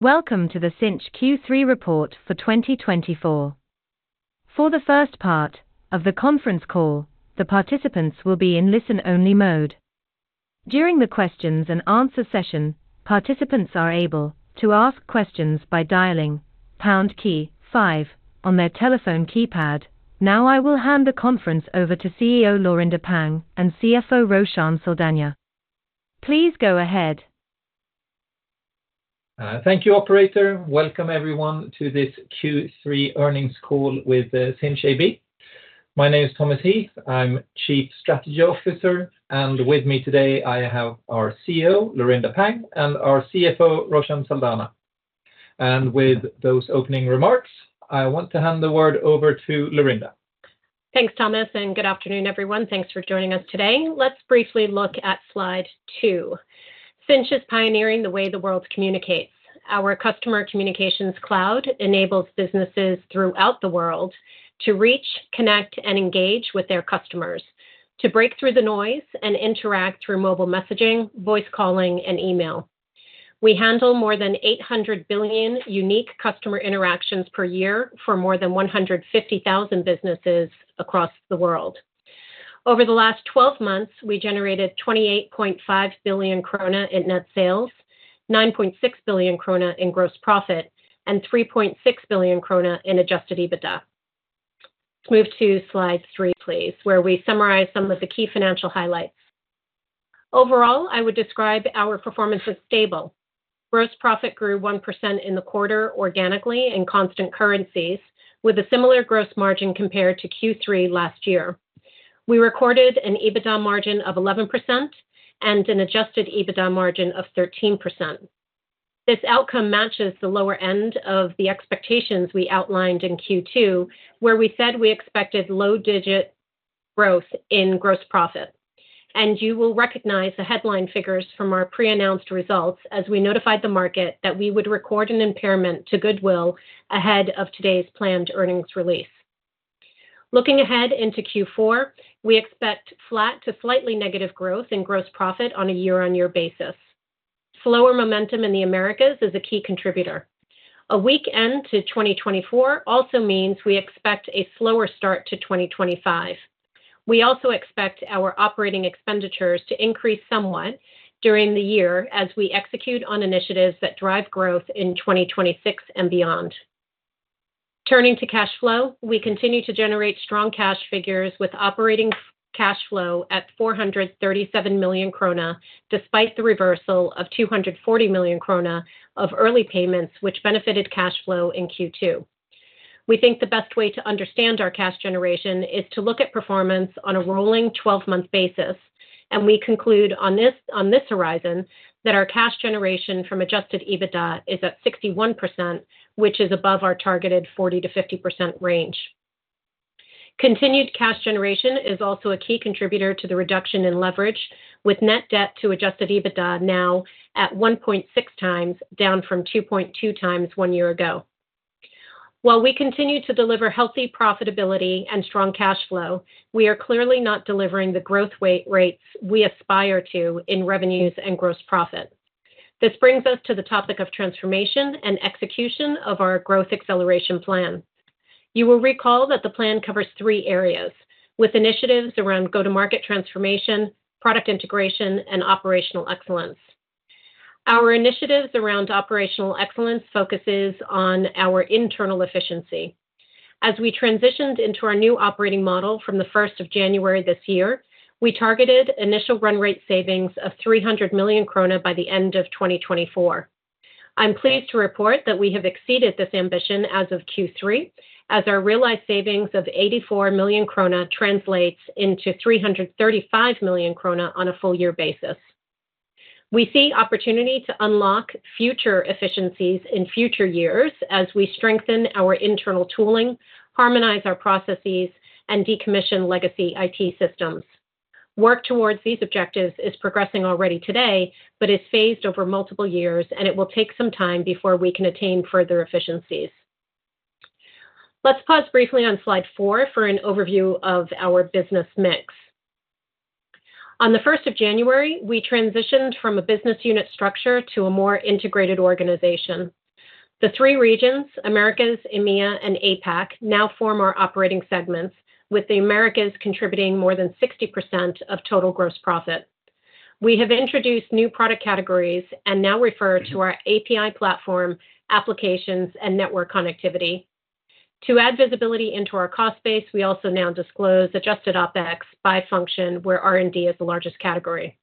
Welcome to the Sinch Q3 report for 2024. For the first part of the conference call, the participants will be in listen-only mode. During the Q&A session, participants are able to ask questions by dialing #5 on their telephone keypad. Now I will hand the conference over to CEO Laurinda Pang and CFO Roshan Saldanha. Please go ahead. Thank you, Operator. Welcome everyone to this Q3 earnings call with Sinch AB. My name is Thomas Heath. I'm Chief Strategy Officer, and with me today I have our CEO, Laurinda Pang, and our CFO, Roshan Saldanha. And with those opening remarks, I want to hand the word over to Laurinda. Thanks, Thomas, and good afternoon, everyone. Thanks for joining us today. Let's briefly look at slide two. Sinch is pioneering the way the world communicates. Our Customer Communications Cloud enables businesses throughout the world to reach, connect, and engage with their customers, to break through the noise and interact through mobile messaging, voice calling, and email. We handle more than 800 billion unique customer interactions per year for more than 150,000 businesses across the world. Over the last 12 months, we generated 28.5 billion krona in net sales, 9.6 billion krona in Gross Profit, and 3.6 billion krona in Adjusted EBITDA. Let's move to slide three, please, where we summarize some of the key financial highlights. Overall, I would describe our performance as stable. Gross Profit grew 1% in the quarter organically in constant currencies, with a similar gross margin compared to Q3 last year. We recorded an EBITDA margin of 11% and an adjusted EBITDA margin of 13%. This outcome matches the lower end of the expectations we outlined in Q2, where we said we expected low-digit growth in gross profit, and you will recognize the headline figures from our pre-announced results as we notified the market that we would record an impairment to goodwill ahead of today's planned earnings release. Looking ahead into Q4, we expect flat to slightly negative growth in gross profit on a year-on-year basis. Slower momentum in the Americas is a key contributor. A weak end to 2024 also means we expect a slower start to 2025. We also expect our operating expenditures to increase somewhat during the year as we execute on initiatives that drive growth in 2026 and beyond. Turning to cash flow, we continue to generate strong cash figures with operating cash flow at 437 million krona despite the reversal of 240 million krona of early payments, which benefited cash flow in Q2. We think the best way to understand our cash generation is to look at performance on a rolling 12-month basis, and we conclude on this horizon that our cash generation from adjusted EBITDA is at 61%, which is above our targeted 40%-50% range. Continued cash generation is also a key contributor to the reduction in leverage, with net debt to adjusted EBITDA now at 1.6 times, down from 2.2 times one year ago. While we continue to deliver healthy profitability and strong cash flow, we are clearly not delivering the growth rates we aspire to in revenues and gross profit. This brings us to the topic of transformation and execution of our growth acceleration plan. You will recall that the plan covers three areas, with initiatives around go-to-market transformation, product integration, and operational excellence. Our initiatives around operational excellence focus on our internal efficiency. As we transitioned into our new operating model from January 1st of this year, we targeted initial run rate savings of 300 million krona by the end of 2024. I'm pleased to report that we have exceeded this ambition as of Q3, as our realized savings of 84 million krona translates into 335 million krona on a full-year basis. We see opportunity to unlock future efficiencies in future years as we strengthen our internal tooling, harmonize our processes, and decommission legacy IT systems. Work towards these objectives is progressing already today but is phased over multiple years, and it will take some time before we can attain further efficiencies. Let's pause briefly on slide four for an overview of our business mix. On January 1st, we transitioned from a business unit structure to a more integrated organization. The three regions (Americas, EMEA, and APAC) now form our operating segments, with the Americas contributing more than 60% of total gross profit. We have introduced new product categories and now refer to our API platform, applications, and network connectivity. To add visibility into our cost base, we also now disclose adjusted OpEx by function, where R&D is the largest category.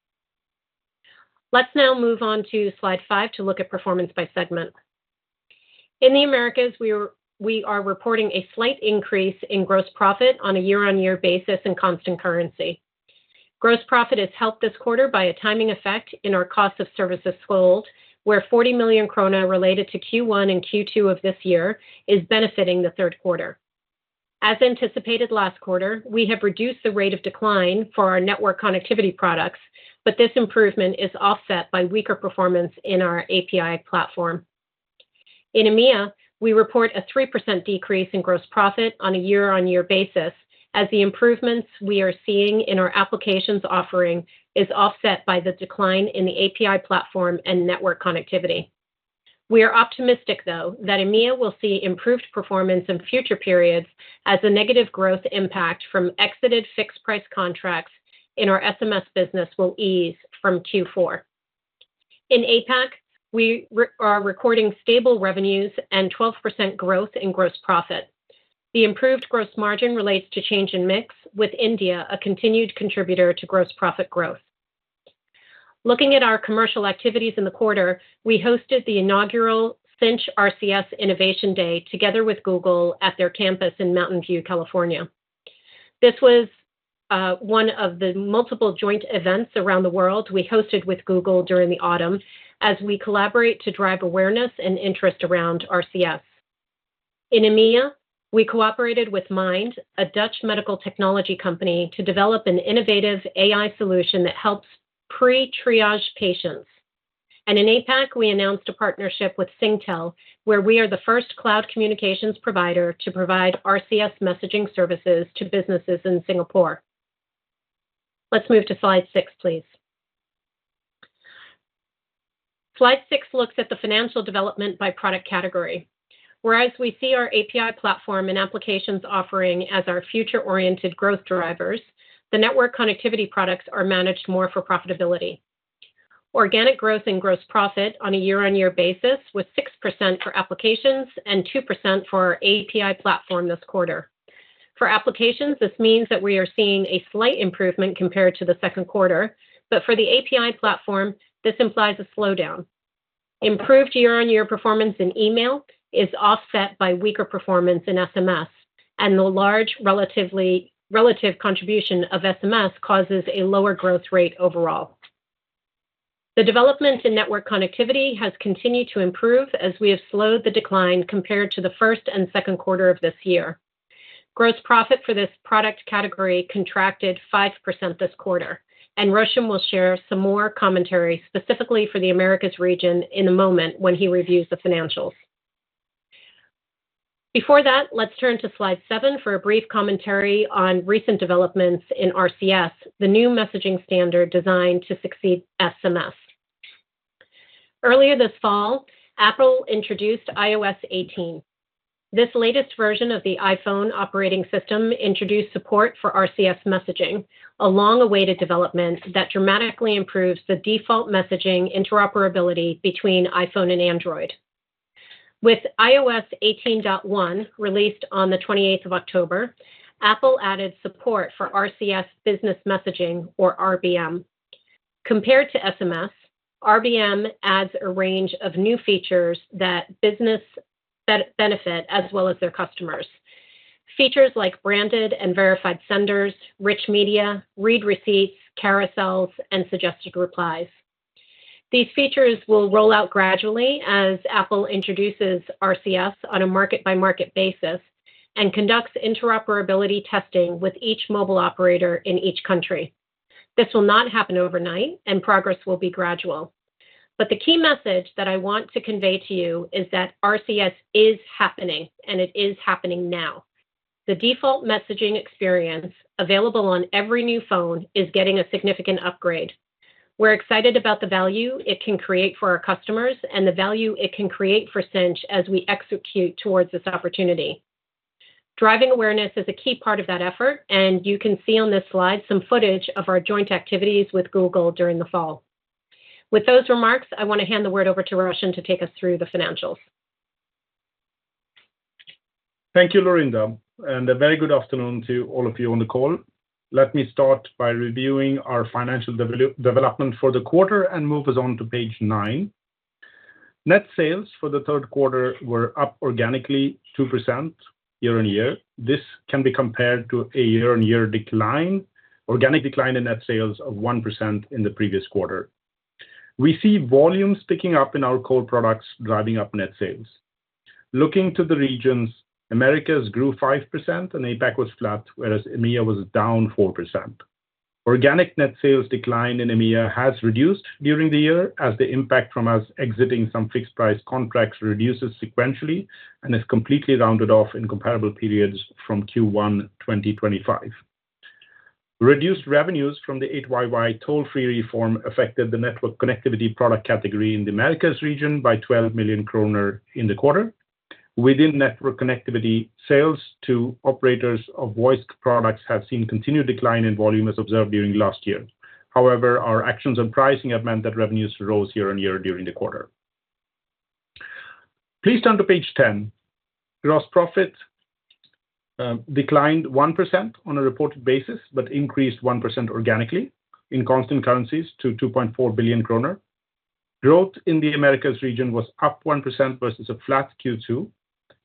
Let's now move on to slide five to look at performance by segment. In the Americas, we are reporting a slight increase in gross profit on a year-on-year basis in constant currency. Gross profit is helped this quarter by a timing effect in our cost of services sold, where 40 million krona related to Q1 and Q2 of this year is benefiting the third quarter. As anticipated last quarter, we have reduced the rate of decline for our network connectivity products, but this improvement is offset by weaker performance in our API platform. In EMEA, we report a 3% decrease in gross profit on a year-on-year basis, as the improvements we are seeing in our applications offering are offset by the decline in the API platform and network connectivity. We are optimistic, though, that EMEA will see improved performance in future periods as the negative growth impact from exited fixed-price contracts in our SMS business will ease from Q4. In APAC, we are recording stable revenues and 12% growth in gross profit. The improved gross margin relates to change in mix, with India a continued contributor to gross profit growth. Looking at our commercial activities in the quarter, we hosted the inaugural Sinch RCS Innovation Day together with Google at their campus in Mountain View, California. This was one of the multiple joint events around the world we hosted with Google during the autumn as we collaborate to drive awareness and interest around RCS. In EMEA, we cooperated with Mind, a Dutch medical technology company, to develop an innovative AI solution that helps pre-triage patients. And in APAC, we announced a partnership with Singtel, where we are the first cloud communications provider to provide RCS messaging services to businesses in Singapore. Let's move to slide six, please. Slide six looks at the financial development by product category. Whereas we see our API platform and applications offering as our future-oriented growth drivers, the network connectivity products are managed more for profitability. Organic growth in gross profit on a year-on-year basis was 6% for applications and 2% for our API platform this quarter. For applications, this means that we are seeing a slight improvement compared to the second quarter, but for the API platform, this implies a slowdown. Improved year-on-year performance in email is offset by weaker performance in SMS, and the large relative contribution of SMS causes a lower growth rate overall. The development in network connectivity has continued to improve as we have slowed the decline compared to the first and second quarter of this year. Gross profit for this product category contracted 5% this quarter, and Roshan will share some more commentary specifically for the Americas region in a moment when he reviews the financials. Before that, let's turn to slide seven for a brief commentary on recent developments in RCS, the new messaging standard designed to succeed SMS. Earlier this fall, Apple introduced iOS 18. This latest version of the iPhone operating system introduced support for RCS messaging, a long-awaited development that dramatically improves the default messaging interoperability between iPhone and Android. With iOS 18.1 released on October 28th, Apple added support for RCS business messaging, or RBM. Compared to SMS, RBM adds a range of new features that benefit businesses as well as their customers. Features like branded and verified senders, rich media, read receipts, carousels, and suggested replies. These features will roll out gradually as Apple introduces RCS on a market-by-market basis and conducts interoperability testing with each mobile operator in each country. This will not happen overnight, and progress will be gradual. But the key message that I want to convey to you is that RCS is happening, and it is happening now. The default messaging experience available on every new phone is getting a significant upgrade. We're excited about the value it can create for our customers and the value it can create for Sinch as we execute towards this opportunity. Driving awareness is a key part of that effort, and you can see on this slide some footage of our joint activities with Google during the fall. With those remarks, I want to hand the word over to Roshan to take us through the financials. Thank you, Laurinda, and a very good afternoon to all of you on the call. Let me start by reviewing our financial development for the quarter and move us on to page nine. Net sales for the third quarter were up organically 2% year-on-year. This can be compared to a year-on-year decline, organic decline in net sales of 1% in the previous quarter. We see volumes picking up in our core products driving up net sales. Looking to the regions, Americas grew 5%, and APAC was flat, whereas EMEA was down 4%. Organic net sales decline in EMEA has reduced during the year as the impact from us exiting some fixed-price contracts reduces sequentially and is completely rounded off in comparable periods from Q1 2025. Reduced revenues from the 8YY toll-free reform affected the network connectivity product category in the Americas region by 12 million kronor in the quarter. Within network connectivity, sales to operators of voice products have seen continued decline in volume as observed during last year. However, our actions on pricing have meant that revenues rose year-on-year during the quarter. Please turn to page 10. Gross profit declined 1% on a reported basis but increased 1% organically in constant currencies to 2.4 billion kronor. Growth in the Americas region was up 1% versus a flat Q2.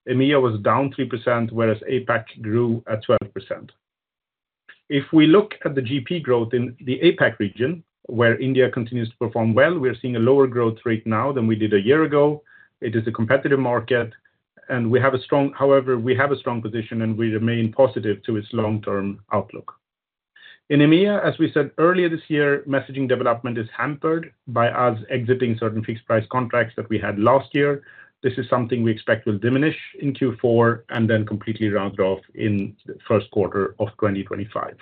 EMEA was down 3%, whereas APAC grew at 12%. If we look at the GP growth in the APAC region, where India continues to perform well, we are seeing a lower growth rate now than we did a year ago. It is a competitive market, and we have a strong position, and we remain positive to its long-term outlook. In EMEA, as we said earlier this year, messaging development is hampered by us exiting certain fixed-price contracts that we had last year. This is something we expect will diminish in Q4 and then completely round off in the first quarter of 2025.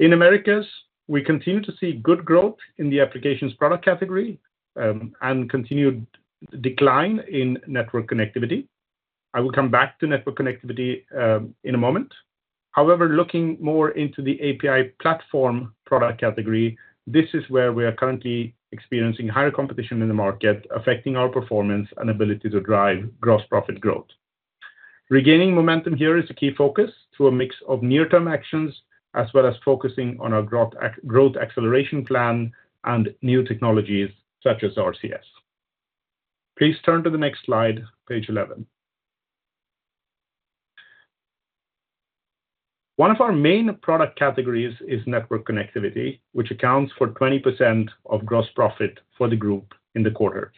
In Americas, we continue to see good growth in the Applications product category and continued decline in Network Connectivity. I will come back to Network Connectivity in a moment. However, looking more into the API Platform product category, this is where we are currently experiencing higher competition in the market affecting our performance and ability to drive Gross Profit growth. Regaining momentum here is a key focus through a mix of near-term actions as well as focusing on our growth acceleration plan and new technologies such as RCS. Please turn to the next slide, page 11. One of our main product categories is network connectivity, which accounts for 20% of gross profit for the group in the quarter.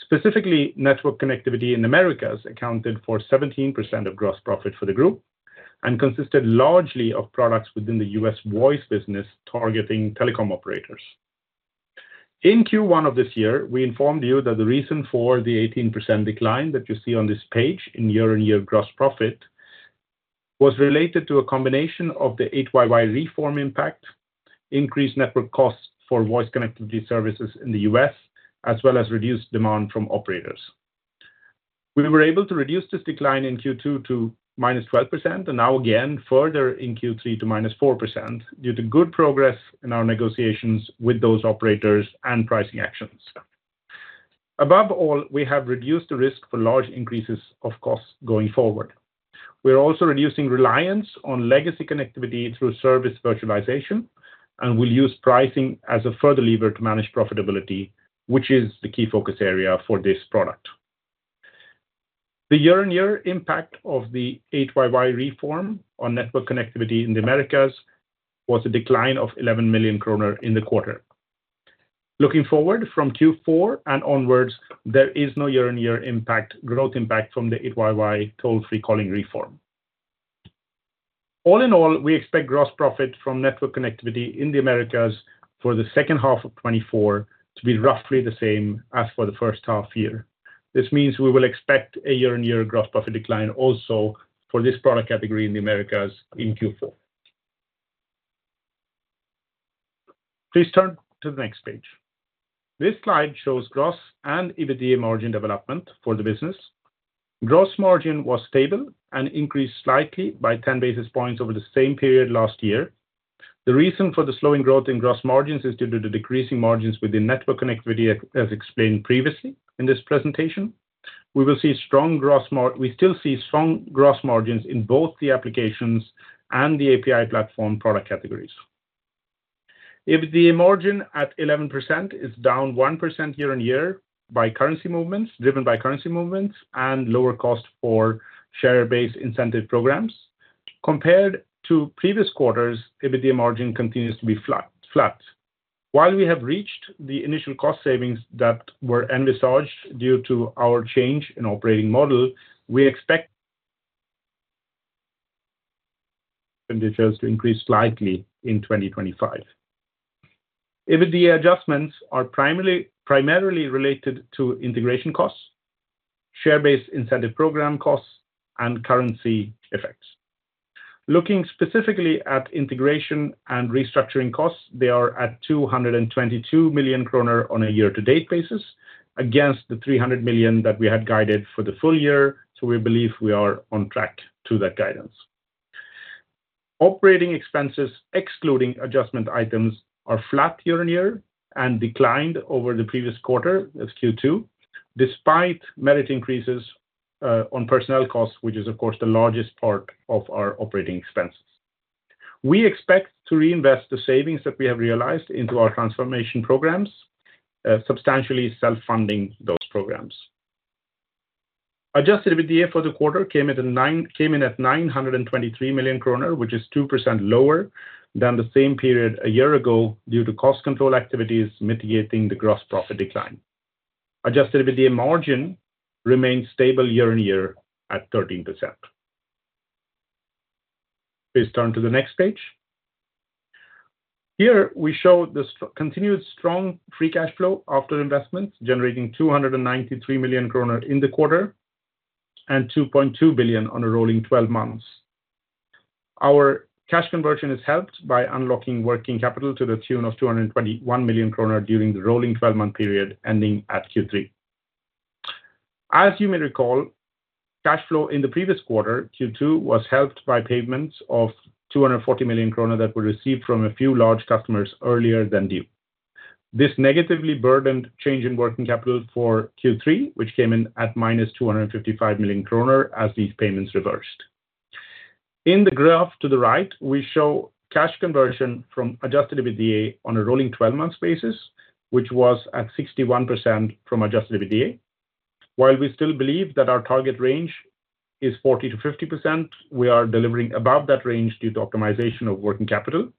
Specifically, network connectivity in Americas accounted for 17% of gross profit for the group and consisted largely of products within the US voice business targeting telecom operators. In Q1 of this year, we informed you that the reason for the 18% decline that you see on this page in year-on-year gross profit was related to a combination of the 8YY reform impact, increased network costs for voice connectivity services in the US, as well as reduced demand from operators. We were able to reduce this decline in Q2 to minus 12% and now again further in Q3 to minus 4% due to good progress in our negotiations with those operators and pricing actions. Above all, we have reduced the risk for large increases of costs going forward. We are also reducing reliance on legacy connectivity through service virtualization, and we'll use pricing as a further lever to manage profitability, which is the key focus area for this product. The year-on-year impact of the 8YY reform on network connectivity in the Americas was a decline of 11 million kronor in the quarter. Looking forward from Q4 and onwards, there is no year-on-year impact, growth impact, from the 8YY toll-free calling reform. All in all, we expect gross profit from network connectivity in the Americas for the second half of 2024 to be roughly the same as for the first half year. This means we will expect a year-on-year gross profit decline also for this product category in the Americas in Q4. Please turn to the next page. This slide shows gross and EBITDA margin development for the business. Gross margin was stable and increased slightly by 10 basis points over the same period last year. The reason for the slowing growth in gross margins is due to the decreasing margins within network connectivity, as explained previously in this presentation. We still see strong gross margins in both the applications and the API platform product categories. EBITDA margin at 11% is down 1% year-on-year by currency movements driven by currency movements and lower cost for share-based incentive programs. Compared to previous quarters, EBITDA margin continues to be flat. While we have reached the initial cost savings that were envisaged due to our change in operating model, we expect to increase slightly in 2025. EBITDA adjustments are primarily related to integration costs, share-based incentive program costs, and currency effects. Looking specifically at integration and restructuring costs, they are at 222 million kronor on a year-to-date basis against the 300 million that we had guided for the full year, so we believe we are on track to that guidance. Operating expenses, excluding adjustment items, are flat year-on-year and declined over the previous quarter of Q2, despite merit increases on personnel costs, which is, of course, the largest part of our operating expenses. We expect to reinvest the savings that we have realized into our transformation programs, substantially self-funding those programs. Adjusted EBITDA for the quarter came in at 923 million kronor, which is 2% lower than the same period a year ago due to cost control activities mitigating the gross profit decline. Adjusted EBITDA margin remains stable year-on-year at 13%. Please turn to the next page. Here, we show the continued strong free cash flow after investments, generating 293 million kronor in the quarter and 2.2 billion on a rolling 12 months. Our cash conversion is helped by unlocking working capital to the tune of 221 million kronor during the rolling 12-month period ending at Q3. As you may recall, cash flow in the previous quarter, Q2, was helped by payments of 240 million kronor that were received from a few large customers earlier than due. This negatively burdened change in working capital for Q3, which came in at minus 255 million kronor as these payments reversed. In the graph to the right, we show cash conversion from Adjusted EBITDA on a rolling 12-month basis, which was at 61% from Adjusted EBITDA. While we still believe that our target range is 40%-50%, we are delivering above that range due to optimization of working capital.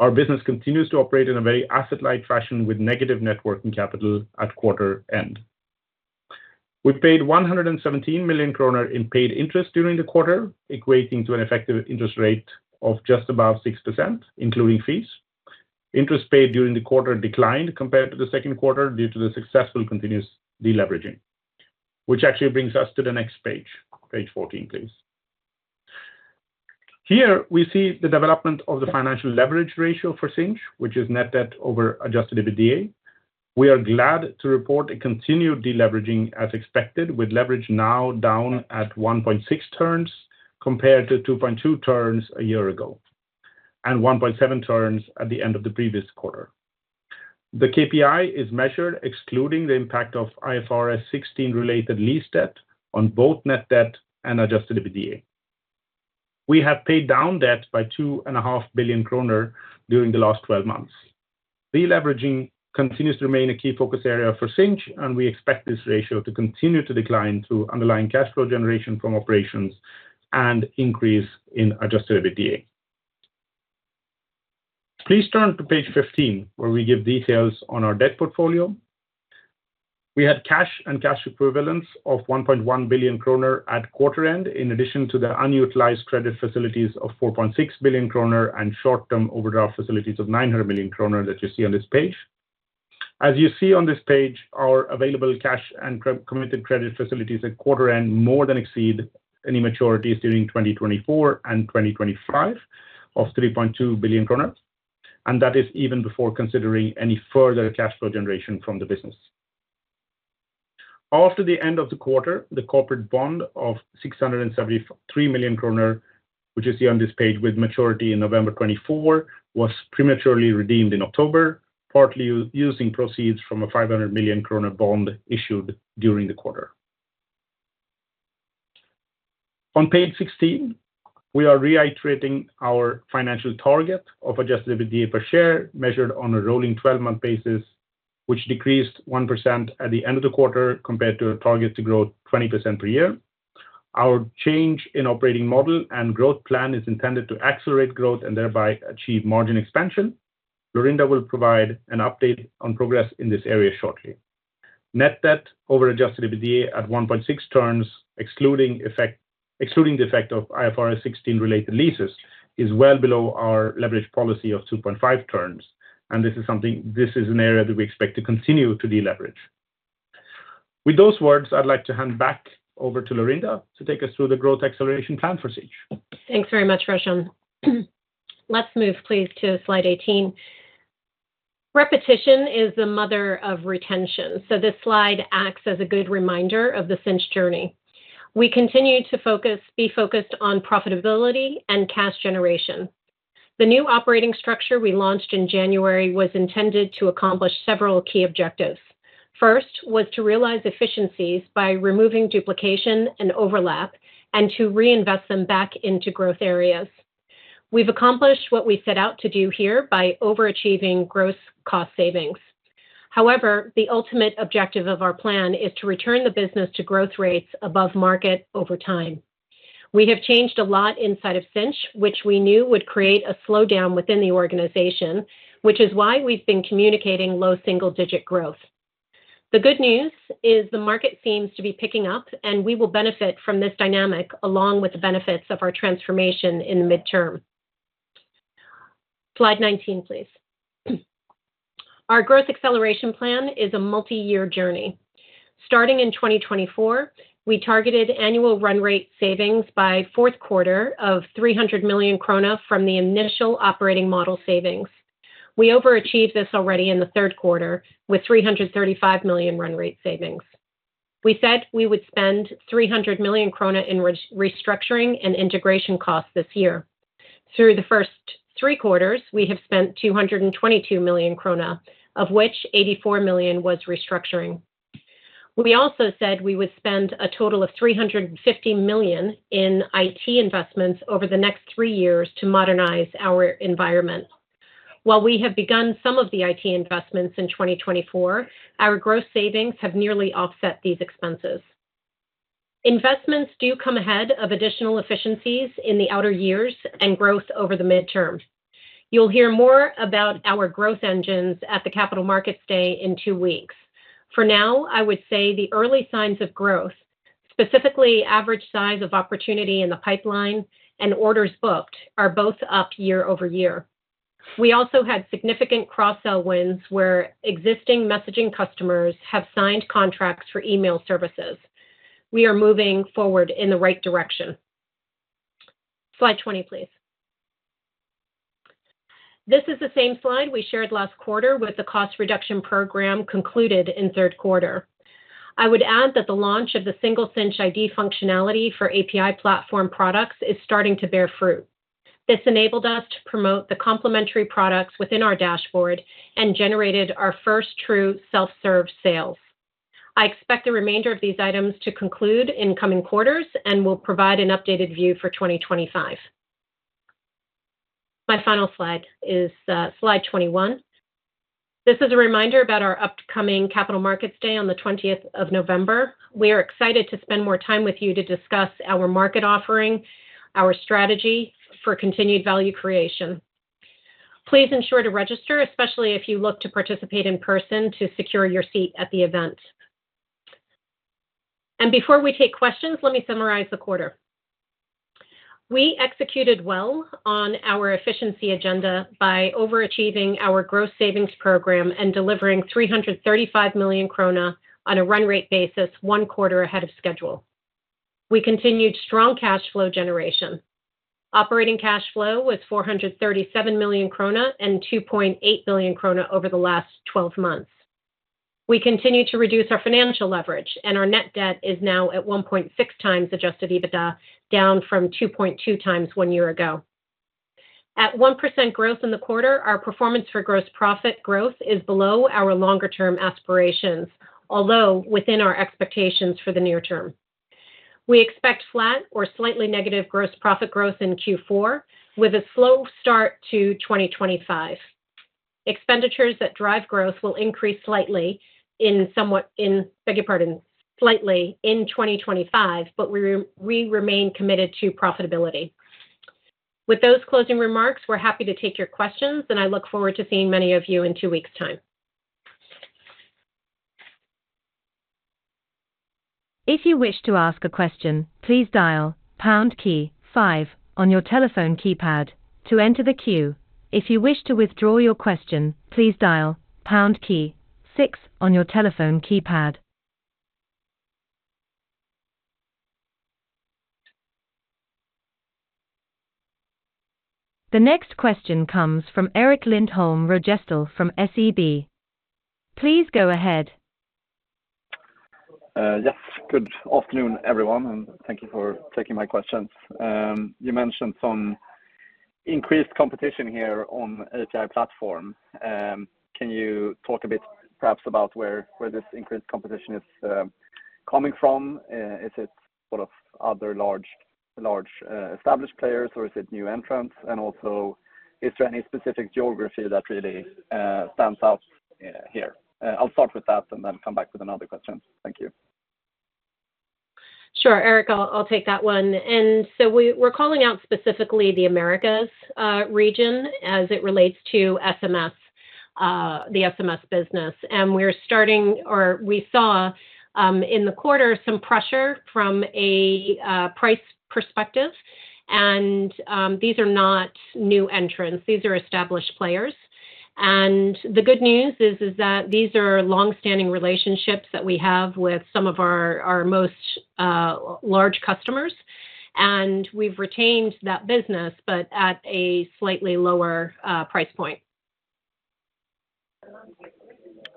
Our business continues to operate in a very asset-light fashion with negative net working capital at quarter end. We paid 117 million kronor in paid interest during the quarter, equating to an effective interest rate of just above 6%, including fees. Interest paid during the quarter declined compared to the second quarter due to the successful continuous deleveraging, which actually brings us to the next page, page 14, please. Here, we see the development of the financial leverage ratio for Sinch, which is net debt over adjusted EBITDA. We are glad to report a continued deleveraging as expected, with leverage now down at 1.6 turns compared to 2.2 turns a year ago and 1.7 turns at the end of the previous quarter. The KPI is measured, excluding the impact of IFRS 16-related lease debt on both net debt and adjusted EBITDA. We have paid down debt by 2.5 billion kronor during the last 12 months. Deleveraging continues to remain a key focus area for Sinch, and we expect this ratio to continue to decline through underlying cash flow generation from operations and increase in Adjusted EBITDA. Please turn to page 15, where we give details on our debt portfolio. We had cash and cash equivalents of 1.1 billion kronor at quarter end, in addition to the unutilized credit facilities of 4.6 billion kronor and short-term overdraft facilities of 900 million kronor that you see on this page. As you see on this page, our available cash and committed credit facilities at quarter end more than exceed any maturities during 2024 and 2025 of 3.2 billion kronor, and that is even before considering any further cash flow generation from the business. After the end of the quarter, the corporate bond of 673 million kronor, which you see on this page with maturity in November 2024, was prematurely redeemed in October, partly using proceeds from a 500 million krona bond issued during the quarter. On page 16, we are reiterating our financial target of adjusted EBITDA per share measured on a rolling 12-month basis, which decreased 1% at the end of the quarter compared to a target to grow 20% per year. Our change in operating model and growth plan is intended to accelerate growth and thereby achieve margin expansion. Laurinda will provide an update on progress in this area shortly. Net debt over adjusted EBITDA at 1.6 turns, excluding the effect of IFRS 16-related leases, is well below our leverage policy of 2.5 turns, and this is something, this is an area that we expect to continue to deleverage. With those words, I'd like to hand back over to Laurinda to take us through the growth acceleration plan for Sinch. Thanks very much, Roshan. Let's move, please, to slide 18. Repetition is the mother of retention, so this slide acts as a good reminder of the Sinch journey. We continue to be focused on profitability and cash generation. The new operating structure we launched in January was intended to accomplish several key objectives. First was to realize efficiencies by removing duplication and overlap and to reinvest them back into growth areas. We've accomplished what we set out to do here by overachieving gross cost savings. However, the ultimate objective of our plan is to return the business to growth rates above market over time. We have changed a lot inside of Sinch, which we knew would create a slowdown within the organization, which is why we've been communicating low single-digit growth. The good news is the market seems to be picking up, and we will benefit from this dynamic along with the benefits of our transformation in the midterm. Slide 19, please. Our growth acceleration plan is a multi-year journey. Starting in 2024, we targeted annual run rate savings by fourth quarter of 300 million krona from the initial operating model savings. We overachieved this already in the third quarter with 335 million run rate savings. We said we would spend 300 million krona in restructuring and integration costs this year. Through the first three quarters, we have spent 222 million krona, of which 84 million was restructuring. We also said we would spend a total of 350 million in IT investments over the next three years to modernize our environment. While we have begun some of the IT investments in 2024, our gross savings have nearly offset these expenses. Investments do come ahead of additional efficiencies in the outer years and growth over the midterm. You'll hear more about our growth engines at the capital markets day in two weeks. For now, I would say the early signs of growth, specifically average size of opportunity in the pipeline and orders booked, are both up year over year. We also had significant cross-sell wins where existing messaging customers have signed contracts for email services. We are moving forward in the right direction. Slide 20, please. This is the same slide we shared last quarter with the cost reduction program concluded in third quarter. I would add that the launch of the Single Sinch ID functionality for API platform products is starting to bear fruit. This enabled us to promote the complementary products within our dashboard and generated our first true self-serve sales. I expect the remainder of these items to conclude in coming quarters and will provide an updated view for 2025. My final slide is slide 21. This is a reminder about our upcoming Capital Markets Day on the 20th of November. We are excited to spend more time with you to discuss our market offering, our strategy for continued value creation. Please ensure to register, especially if you look to participate in person, to secure your seat at the event, and before we take questions, let me summarize the quarter. We executed well on our efficiency agenda by overachieving our gross savings program and delivering 335 million krona on a run rate basis one quarter ahead of schedule. We continued strong cash flow generation. Operating cash flow was 437 million krona and 2.8 billion krona over the last 12 months. We continue to reduce our financial leverage, and our net debt is now at 1.6 times adjusted EBITDA, down from 2.2 times one year ago. At 1% growth in the quarter, our performance for gross profit growth is below our longer-term aspirations, although within our expectations for the near term. We expect flat or slightly negative gross profit growth in Q4, with a slow start to 2025. Expenditures that drive growth will increase slightly in 2025, but we remain committed to profitability. With those closing remarks, we're happy to take your questions, and I look forward to seeing many of you in two weeks' time. If you wish to ask a question, please dial #5 on your telephone keypad to enter the queue. If you wish to withdraw your question, please dial #6 on your telephone keypad. The next question comes from Erik Lindholm-Röjestål from SEB. Please go ahead. Yes. Good afternoon, everyone, and thank you for taking my questions. You mentioned some increased competition here on the API Platform. Can you talk a bit, perhaps, about where this increased competition is coming from? Is it sort of other large established players, or is it new entrants? And also, is there any specific geography that really stands out here? I'll start with that and then come back with another question. Thank you. Sure, Eric, I'll take that one. And so we're calling out specifically the Americas region as it relates to the SMS business. And we're starting, or we saw in the quarter, some pressure from a price perspective. And these are not new entrants. These are established players. And the good news is that these are long-standing relationships that we have with some of our most large customers. And we've retained that business, but at a slightly lower price point.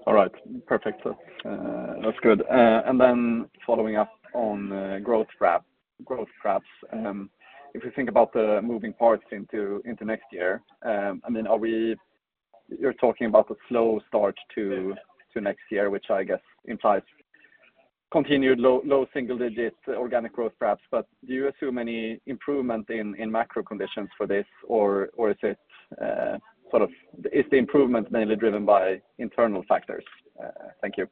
All right. Perfect. That's good. And then following up on growth grabs, if we think about the moving parts into next year, I mean, are we - you're talking about a slow start to next year, which I guess implies continued low single-digit organic growth perhaps, but do you assume any improvement in macro conditions for this, or is it sort of - is the improvement mainly driven by internal factors? Thank you.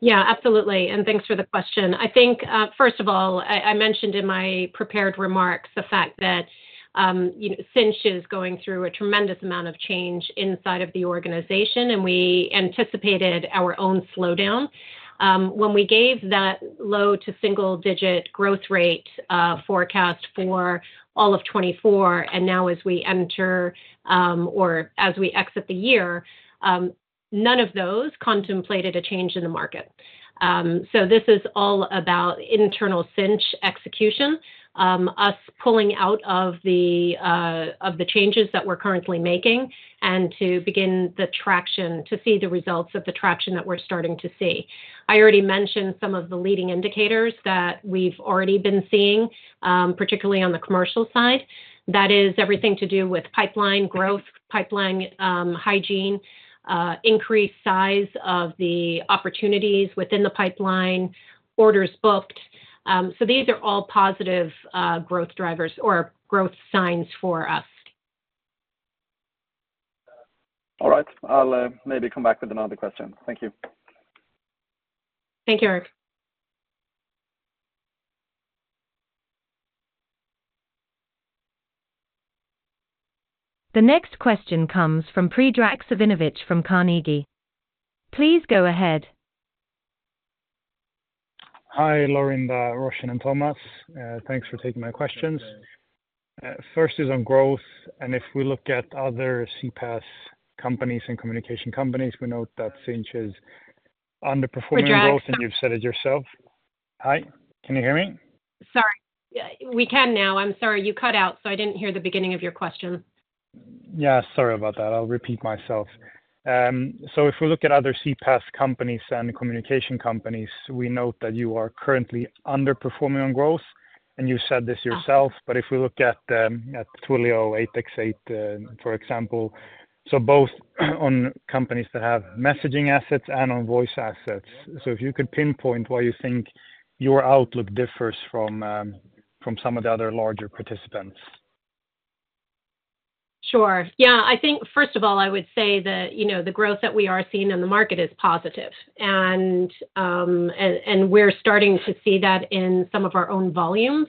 Yeah, absolutely. And thanks for the question. I think, first of all, I mentioned in my prepared remarks the fact that Sinch is going through a tremendous amount of change inside of the organization, and we anticipated our own slowdown. When we gave that low- to single-digit growth rate forecast for all of 2024, and now as we enter or as we exit the year, none of those contemplated a change in the market. So this is all about internal Sinch execution, us pulling out of the changes that we're currently making and to begin the traction, to see the results of the traction that we're starting to see. I already mentioned some of the leading indicators that we've already been seeing, particularly on the commercial side. That is everything to do with pipeline growth, pipeline hygiene, increased size of the opportunities within the pipeline, orders booked. So these are all positive growth drivers or growth signs for us. All right. I'll maybe come back with another question. Thank you. Thank you, Eric. The next question comes from Predrag Savinovic from Carnegie. Please go ahead. Hi, Laurinda, Roshan, and Thomas. Thanks for taking my questions. First is on growth. And if we look at other CPaaS companies and communication companies, we note that Sinch is underperforming growth. Predrag Savinovic. And you've said it yourself. Hi, can you hear me? Sorry. We can now. I'm sorry. You cut out, so I didn't hear the beginning of your question. Yeah, sorry about that. I'll repeat myself. So if we look at other CPaaS companies and communication companies, we note that you are currently underperforming on growth, and you said this yourself. But if we look at Twilio, 8x8, for example, so both on companies that have messaging assets and on voice assets. So if you could pinpoint why you think your outlook differs from some of the other larger participants. Sure. Yeah. I think, first of all, I would say that the growth that we are seeing in the market is positive. And we're starting to see that in some of our own volumes.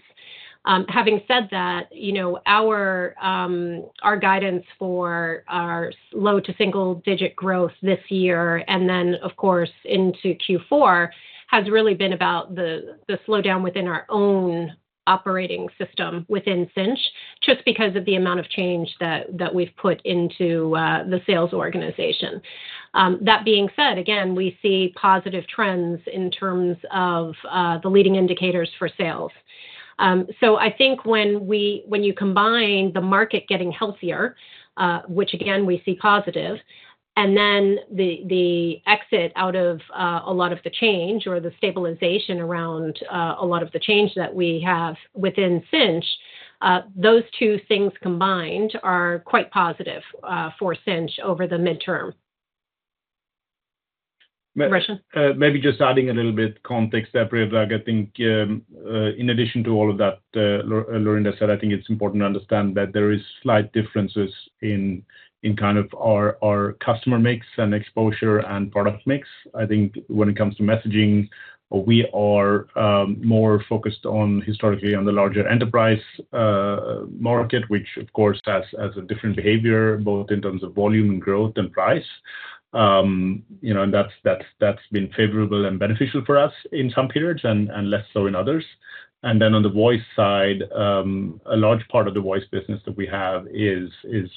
Having said that, our guidance for our low to single-digit growth this year, and then, of course, into Q4, has really been about the slowdown within our own operating system within Sinch, just because of the amount of change that we've put into the sales organization. That being said, again, we see positive trends in terms of the leading indicators for sales. So I think when you combine the market getting healthier, which again, we see positive, and then the exit out of a lot of the change or the stabilization around a lot of the change that we have within Sinch, those two things combined are quite positive for Sinch over the midterm. Roshan? Maybe just adding a little bit of context, Predrag. I think in addition to all of that, Laurinda said, I think it's important to understand that there are slight differences in kind of our customer mix and exposure and product mix. I think when it comes to messaging, we are more focused on historically on the larger enterprise market, which, of course, has a different behavior, both in terms of volume and growth and price. And that's been favorable and beneficial for us in some periods and less so in others. And then on the voice side, a large part of the voice business that we have is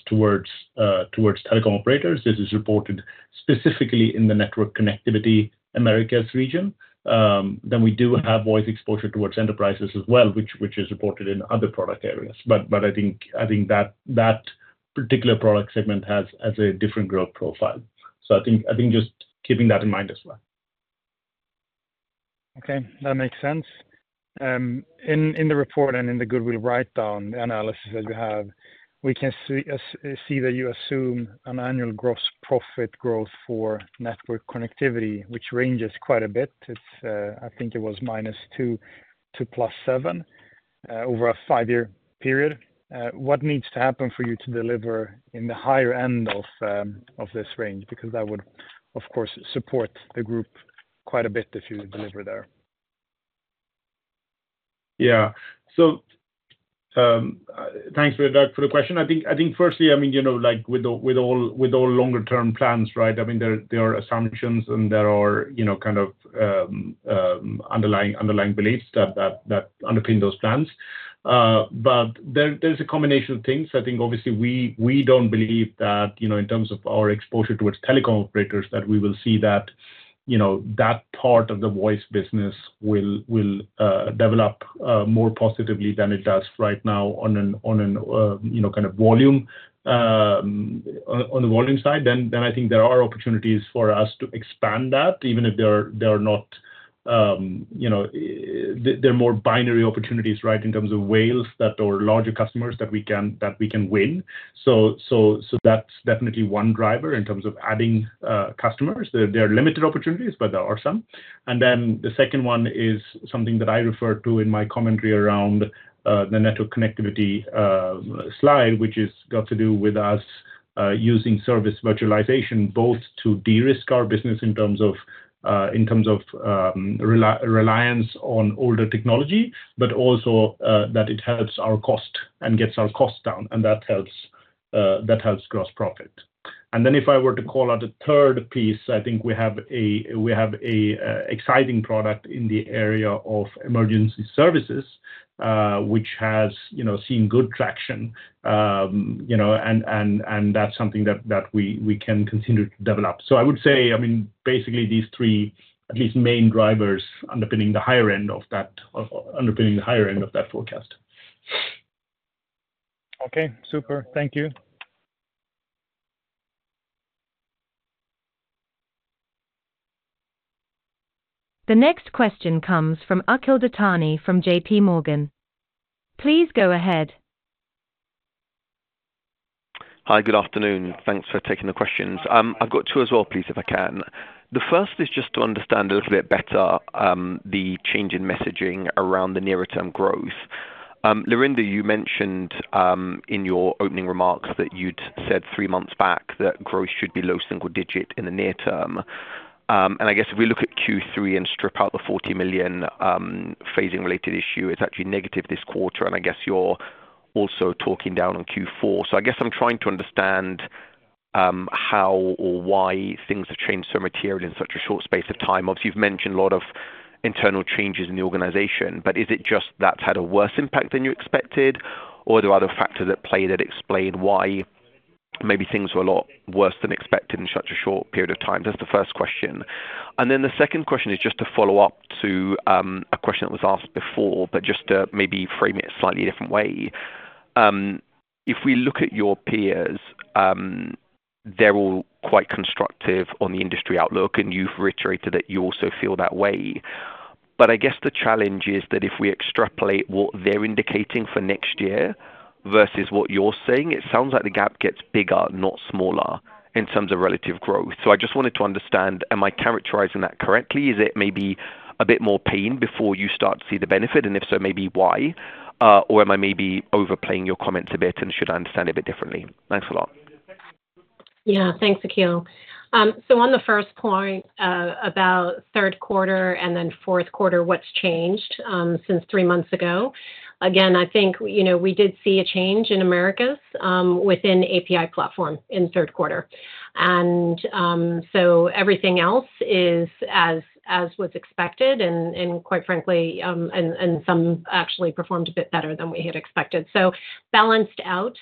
towards telecom operators. This is reported specifically in the Network Connectivity Americas region. Then we do have voice exposure towards enterprises as well, which is reported in other product areas. But I think that particular product segment has a different growth profile. So I think just keeping that in mind as well. Okay. That makes sense. In the report and in the goodwill write-down analysis that you have, we can see that you assume an annual gross profit growth for Network Connectivity, which ranges quite a bit. I think it was -2% to +7% over a five-year period. What needs to happen for you to deliver in the higher end of this range? Because that would, of course, support the group quite a bit if you deliver there. Yeah. So thanks, Predrag, for the question. I think, firstly, I mean, with all longer-term plans, right, I mean, there are assumptions and there are kind of underlying beliefs that underpin those plans. But there's a combination of things. I think, obviously, we don't believe that in terms of our exposure towards telecom operators, that we will see that that part of the voice business will develop more positively than it does right now on a kind of volume side. Then I think there are opportunities for us to expand that, even if they are not they're more binary opportunities, right, in terms of whales that are larger customers that we can win. So that's definitely one driver in terms of adding customers. There are limited opportunities, but there are some. And then the second one is something that I refer to in my commentary around the network connectivity slide, which has got to do with us using service virtualization both to de-risk our business in terms of reliance on older technology, but also that it helps our cost and gets our cost down. And that helps gross profit. And then if I were to call out a third piece, I think we have an exciting product in the area of emergency services, which has seen good traction. And that's something that we can continue to develop. So I would say, I mean, basically, these three, at least, main drivers underpinning the higher end of that underpinning the higher end of that forecast. Okay. Super. Thank you. The next question comes from Akhil Dattani from J.P. Morgan. Please go ahead. Hi, good afternoon. Thanks for taking the questions. I've got two as well, please, if I can. The first is just to understand a little bit better the change in messaging around the near-term growth. Laurinda, you mentioned in your opening remarks that you'd said three months back that growth should be low single-digit in the near term. And I guess if we look at Q3 and strip out the 40 million phasing-related issue, it's actually negative this quarter. And I guess you're also talking down on Q4. So I guess I'm trying to understand how or why things have changed so materially in such a short space of time. Obviously, you've mentioned a lot of internal changes in the organization, but is it just that's had a worse impact than you expected, or are there other factors at play that explain why maybe things were a lot worse than expected in such a short period of time? That's the first question. And then the second question is just to follow up to a question that was asked before, but just to maybe frame it a slightly different way. If we look at your peers, they're all quite constructive on the industry outlook, and you've reiterated that you also feel that way. But I guess the challenge is that if we extrapolate what they're indicating for next year versus what you're saying, it sounds like the gap gets bigger, not smaller, in terms of relative growth. So I just wanted to understand, am I characterizing that correctly? Is it maybe a bit more pain before you start to see the benefit? And if so, maybe why? Or am I maybe overplaying your comments a bit and should I understand a bit differently? Thanks a lot. Yeah. Thanks, Akhil. So on the first point about third quarter and then fourth quarter, what's changed since three months ago? Again, I think we did see a change in Americas within API Platform in third quarter. And so everything else is as was expected. And quite frankly, and some actually performed a bit better than we had expected. So balanced out,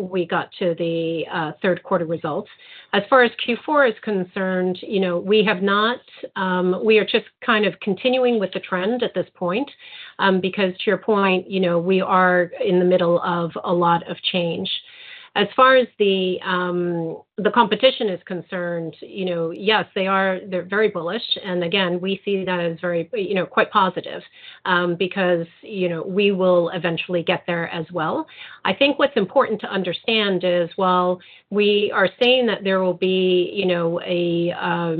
we got to the third quarter results. As far as Q4 is concerned, we have not we are just kind of continuing with the trend at this point because, to your point, we are in the middle of a lot of change. As far as the competition is concerned, yes, they're very bullish. And again, we see that as quite positive because we will eventually get there as well. I think what's important to understand is, well, we are saying that there will be a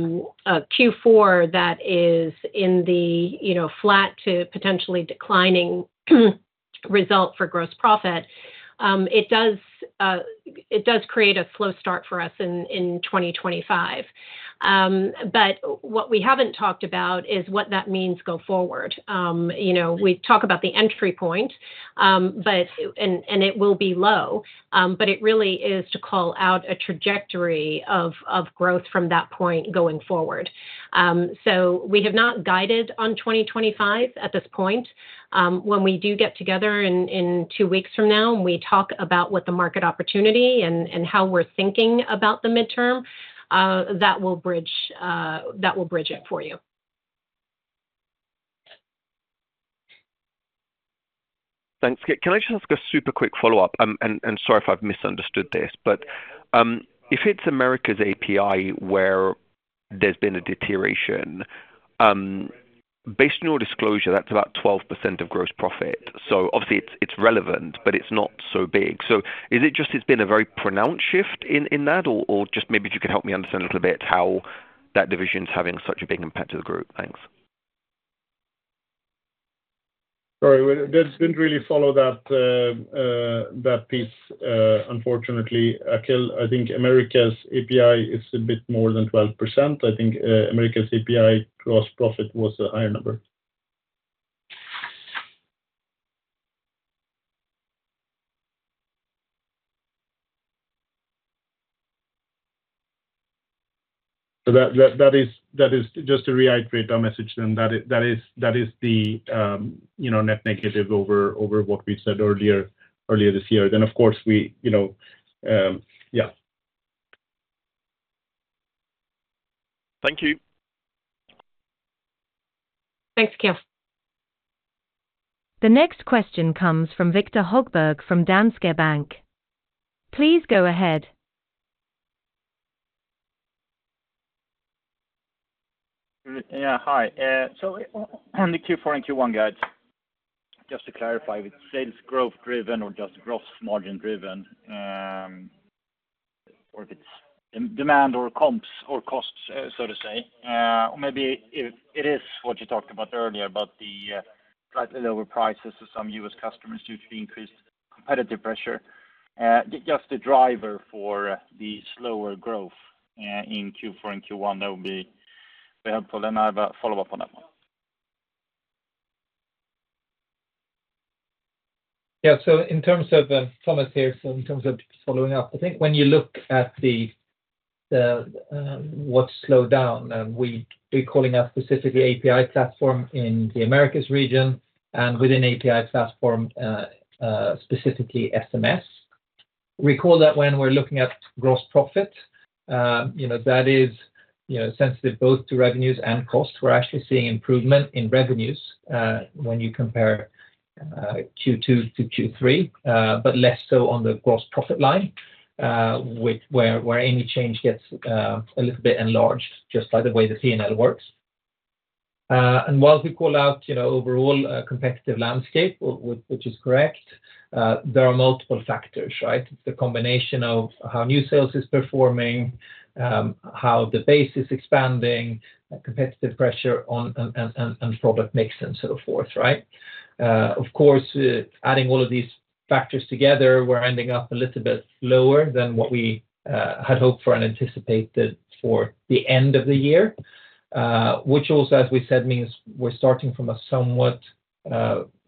Q4 that is in the flat to potentially declining result for gross profit. It does create a slow start for us in 2025. But what we haven't talked about is what that means go forward. We talk about the entry point, and it will be low, but it really is to call out a trajectory of growth from that point going forward. So we have not guided on 2025 at this point. When we do get together in two weeks from now and we talk about what the market opportunity and how we're thinking about the midterm, that will bridge it for you. Thanks. Can I just ask a super quick follow-up? And sorry if I've misunderstood this, but if it's Americas API where there's been a deterioration, based on your disclosure, that's about 12% of gross profit. So obviously, it's relevant, but it's not so big. So is it just it's been a very pronounced shift in that, or just maybe if you could help me understand a little bit how that division's having such a big impact to the group? Thanks. Sorry. I didn't really follow that piece, unfortunately. Akhil, I think Americas API is a bit more than 12%. I think Americas API gross profit was a higher number. So that is just to reiterate our message then. That is the net negative over what we said earlier this year. Then, of course, we yeah. Thank you. Thanks, Akhil. The next question comes from Viktor Högberg from Danske Bank. Please go ahead. Yeah. Hi. So on the Q4 and Q1, guys, just to clarify, if it's sales growth-driven or just gross margin-driven, or if it's demand or comps or costs, so to say, or maybe it is what you talked about earlier about the slightly lower prices for some U.S. customers due to the increased competitive pressure, just the driver for the slower growth in Q4 and Q1, that would be helpful. And I have a follow-up on that one. Yeah. So in terms of Thomas here, so in terms of just following up, I think when you look at what's slowed down, and we're calling out specifically API Platform in the Americas region and within API Platform, specifically SMS, recall that when we're looking at gross profit, that is sensitive both to revenues and costs. We're actually seeing improvement in revenues when you compare Q2 to Q3, but less so on the gross profit line, where any change gets a little bit enlarged just by the way the P&L works. And while we call out overall competitive landscape, which is correct, there are multiple factors, right? It's the combination of how new sales is performing, how the base is expanding, competitive pressure on product mix, and so forth, right? Of course, adding all of these factors together, we're ending up a little bit lower than what we had hoped for and anticipated for the end of the year, which also, as we said, means we're starting from a somewhat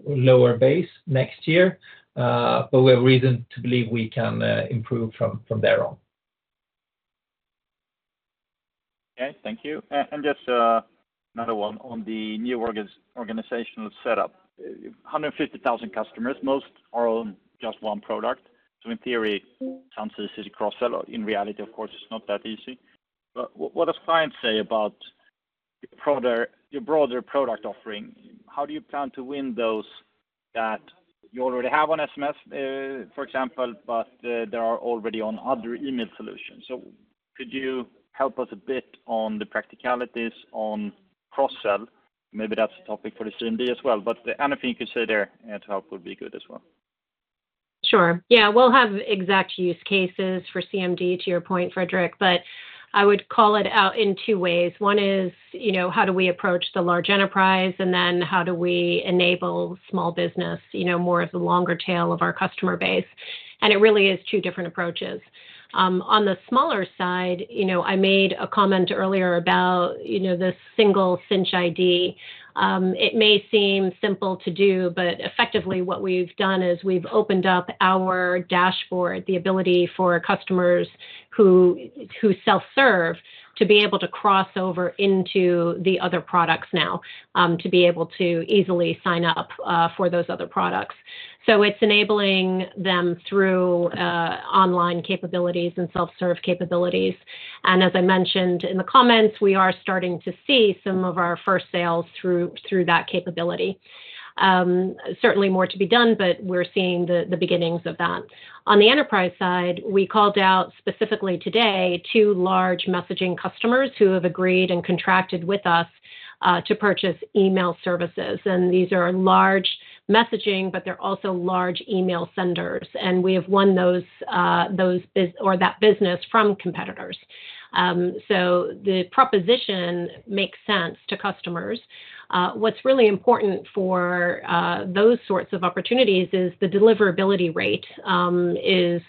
lower base next year, but we have reason to believe we can improve from there on. Okay. Thank you. And just another one on the new organizational setup. 150,000 customers, most are on just one product. So in theory, it sounds easy to cross-sell. In reality, of course, it's not that easy. But what does clients say about your broader product offering? How do you plan to win those that you already have on SMS, for example, but they are already on other email solutions? So could you help us a bit on the practicalities on cross-sell? Maybe that's a topic for the CMD as well. But anything you could say there to help would be good as well. Sure. Yeah. We'll have exact use cases for CMD, to your point, Frederick, but I would call it out in two ways. One is, how do we approach the large enterprise, and then how do we enable small business more as a longer tail of our customer base? And it really is two different approaches. On the smaller side, I made a comment earlier about the Single Sinch ID. It may seem simple to do, but effectively, what we've done is we've opened up our dashboard, the ability for customers who self-serve to be able to cross over into the other products now, to be able to easily sign up for those other products. So it's enabling them through online capabilities and self-serve capabilities. And as I mentioned in the comments, we are starting to see some of our first sales through that capability. Certainly more to be done, but we're seeing the beginnings of that. On the enterprise side, we called out specifically today two large messaging customers who have agreed and contracted with us to purchase email services. And these are large messaging, but they're also large email senders. And we have won those or that business from competitors. So the proposition makes sense to customers. What's really important for those sorts of opportunities is the deliverability rate is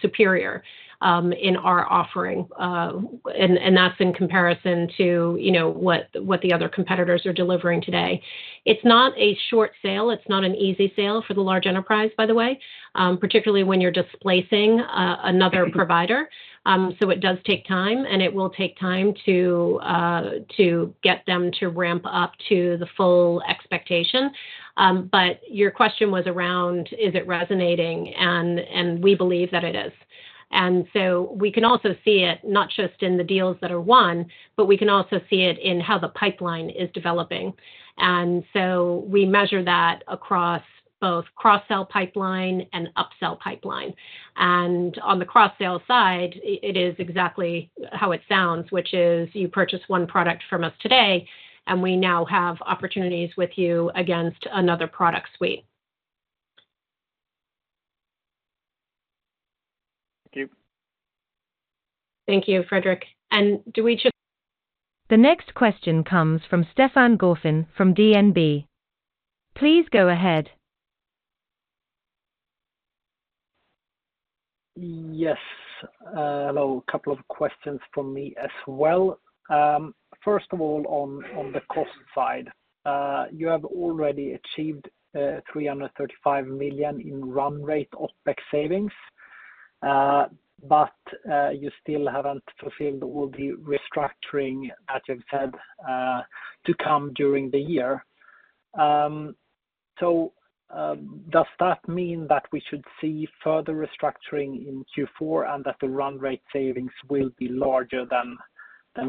superior in our offering. And that's in comparison to what the other competitors are delivering today. It's not a short sale. It's not an easy sale for the large enterprise, by the way, particularly when you're displacing another provider. So it does take time, and it will take time to get them to ramp up to the full expectation. But your question was around, is it resonating? And we believe that it is. And so we can also see it not just in the deals that are won, but we can also see it in how the pipeline is developing. And so we measure that across both cross-sell pipeline and upsell pipeline. On the cross-sale side, it is exactly how it sounds, which is you purchase one product from us today, and we now have opportunities with you against another product suite. Thank you. Thank you, Frederick. The next question comes from Stefan Gauffin from DNB. Please go ahead. Yes. Hello. A couple of questions for me as well. First of all, on the cost side, you have already achieved 335 million in run rate of back savings, but you still haven't fulfilled all the restructuring that you've said to come during the year. So does that mean that we should see further restructuring in Q4 and that the run rate savings will be larger than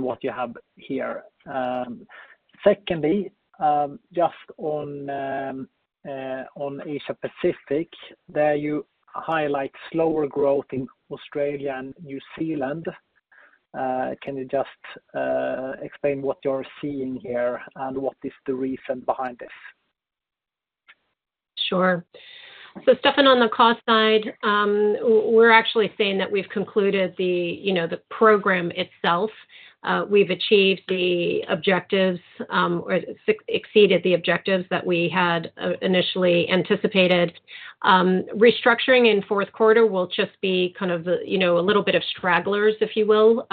what you have here? Secondly, just on Asia-Pacific, there you highlight slower growth in Australia and New Zealand. Can you just explain what you're seeing here and what is the reason behind this? Sure. So Stefan, on the cost side, we're actually saying that we've concluded the program itself. We've achieved the objectives or exceeded the objectives that we had initially anticipated. Restructuring in fourth quarter will just be kind of a little bit of stragglers, if you will,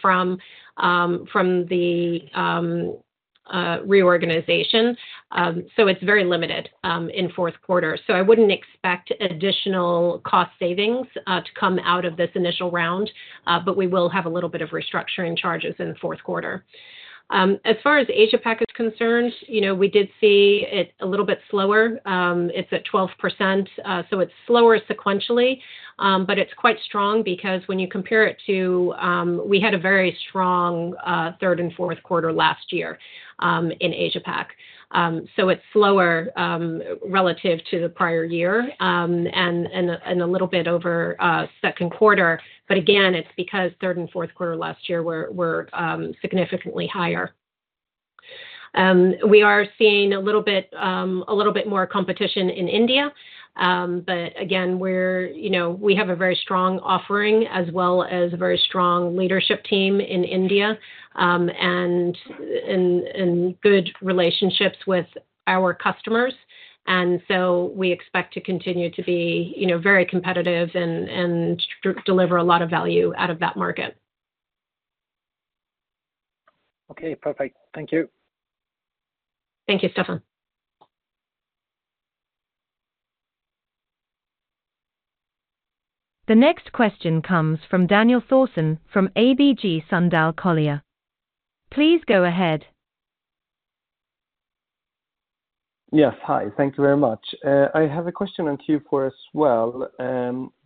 from the reorganization. So it's very limited in fourth quarter. So I wouldn't expect additional cost savings to come out of this initial round, but we will have a little bit of restructuring charges in fourth quarter. As far as Asia-Pac is concerned, we did see it a little bit slower. It's at 12%. So it's slower sequentially, but it's quite strong because when you compare it to we had a very strong third and fourth quarter last year in Asia-Pac. So it's slower relative to the prior year and a little bit over second quarter. But again, it's because third and fourth quarter last year were significantly higher. We are seeing a little bit more competition in India. But again, we have a very strong offering as well as a very strong leadership team in India and good relationships with our customers. And so we expect to continue to be very competitive and deliver a lot of value out of that market. Okay. Perfect. Thank you. Thank you, Stefan. The next question comes from Daniel Thorsson from ABG Sundal Collier. Please go ahead. Yes. Hi. Thank you very much. I have a question on Q4 as well,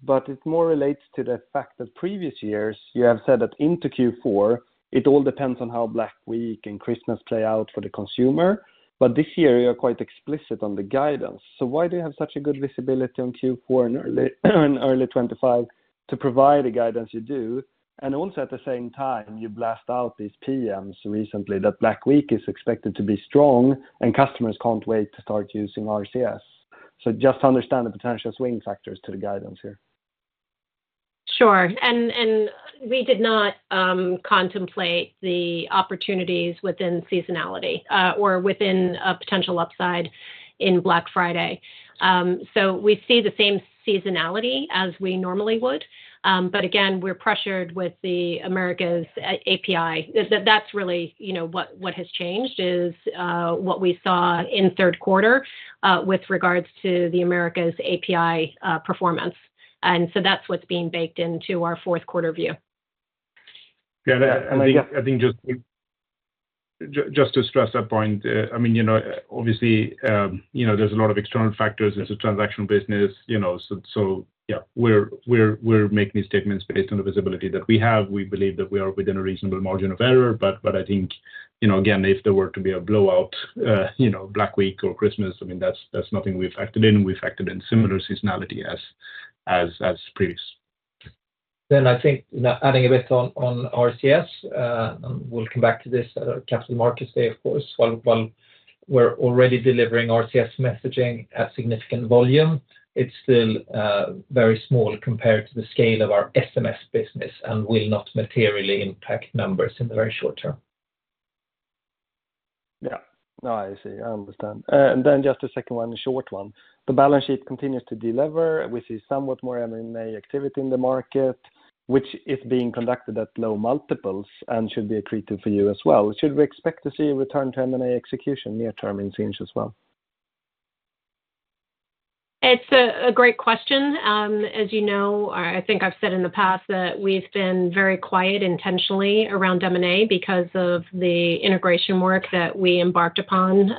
but it more relates to the fact that previous years, you have said that into Q4, it all depends on how Black Week and Christmas play out for the consumer. But this year, you're quite explicit on the guidance. So why do you have such a good visibility on Q4 and early 2025 to provide the guidance you do? And also at the same time, you blast out these PMs recently that Black Week is expected to be strong and customers can't wait to start using RCS. So just to understand the potential swing factors to the guidance here. Sure. And we did not contemplate the opportunities within seasonality or within a potential upside in Black Friday. So we see the same seasonality as we normally would. But again, we're pressured with the Americas API. That's really what has changed is what we saw in third quarter with regards to the Americas API performance. And so that's what's being baked into our fourth quarter view. Yeah. And I think just to stress that point, I mean, obviously, there's a lot of external factors. It's a transactional business. So yeah, we're making statements based on the visibility that we have. We believe that we are within a reasonable margin of error. But I think, again, if there were to be a blowout Black Week or Christmas, I mean, that's nothing we've acted in. We've acted in similar seasonality as previous. Then I think adding a bit on RCS, and we'll come back to this at Capital Markets Day, of course. While we're already delivering RCS messaging at significant volume, it's still very small compared to the scale of our SMS business and will not materially impact numbers in the very short term. Yeah. No, I see. I understand. And then just a second one, a short one. The balance sheet continues to deliver, which is somewhat more M&A activity in the market, which is being conducted at low multiples and should be accretive for you as well. Should we expect to see a return to M&A execution near-term in Sinch as well? It's a great question. As you know, I think I've said in the past that we've been very quiet intentionally around M&A because of the integration work that we embarked upon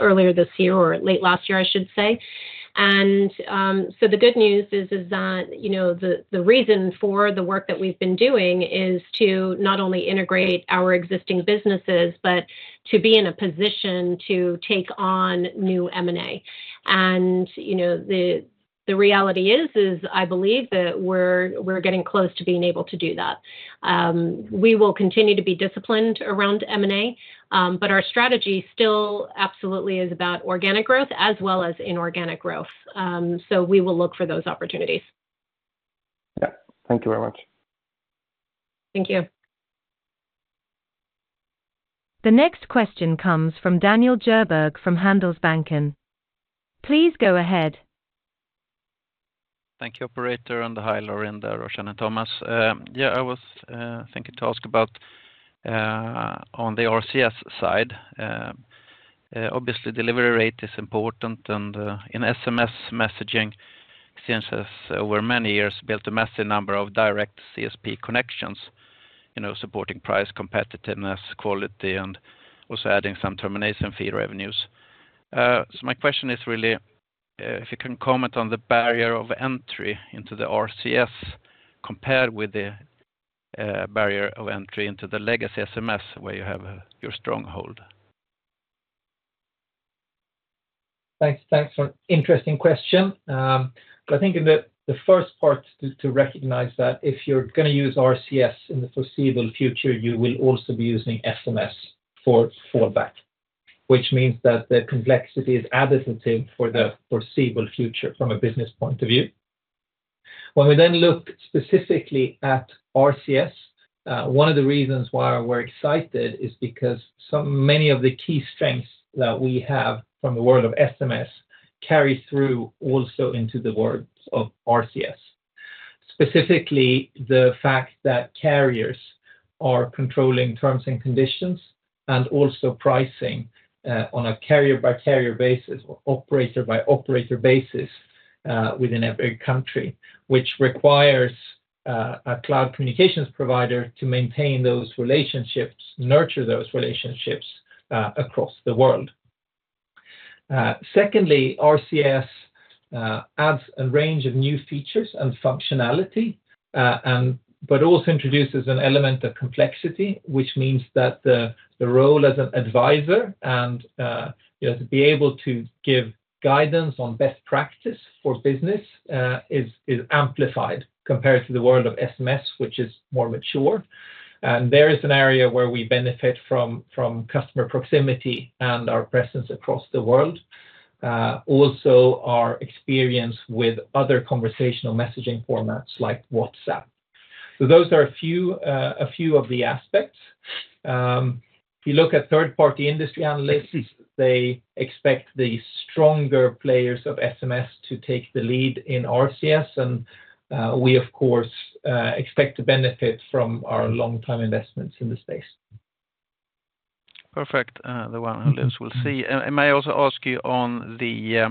earlier this year or late last year, I should say. And so the good news is that the reason for the work that we've been doing is to not only integrate our existing businesses, but to be in a position to take on new M&A. And the reality is, I believe that we're getting close to being able to do that. We will continue to be disciplined around M&A, but our strategy still absolutely is about organic growth as well as inorganic growth. So we will look for those opportunities. Yeah. Thank you very much. Thank you. The next question comes from Daniel Djurberg from Handelsbanken. Please go ahead. Thank you, Operator, and hi, Laurinda, Roshan, and Thomas. Yeah, I was thinking to ask about on the RCS side. Obviously, delivery rate is important, and in SMS messaging, Sinch has over many years built a massive number of direct CSP connections supporting price competitiveness, quality, and also adding some termination fee revenues. So my question is really, if you can comment on the barrier of entry into the RCS compared with the barrier of entry into the legacy SMS where you have your stronghold. Thanks. Thanks for an interesting question. I think in the first part to recognize that if you're going to use RCS in the foreseeable future, you will also be using SMS for fallback, which means that the complexity is additive for the foreseeable future from a business point of view. When we then look specifically at RCS, one of the reasons why we're excited is because many of the key strengths that we have from the world of SMS carry through also into the world of RCS, specifically the fact that carriers are controlling terms and conditions and also pricing on a carrier-by-carrier basis or operator-by-operator basis within every country, which requires a cloud communications provider to maintain those relationships, nurture those relationships across the world. Secondly, RCS adds a range of new features and functionality, but also introduces an element of complexity, which means that the role as an advisor and to be able to give guidance on best practice for business is amplified compared to the world of SMS, which is more mature, and there is an area where we benefit from customer proximity and our presence across the world, also our experience with other conversational messaging formats like WhatsApp, so those are a few of the aspects. If you look at third-party industry analysts, they expect the stronger players of SMS to take the lead in RCS, and we, of course, expect to benefit from our long-time investments in the space. Perfect. The one who lives will see. May I also ask you on the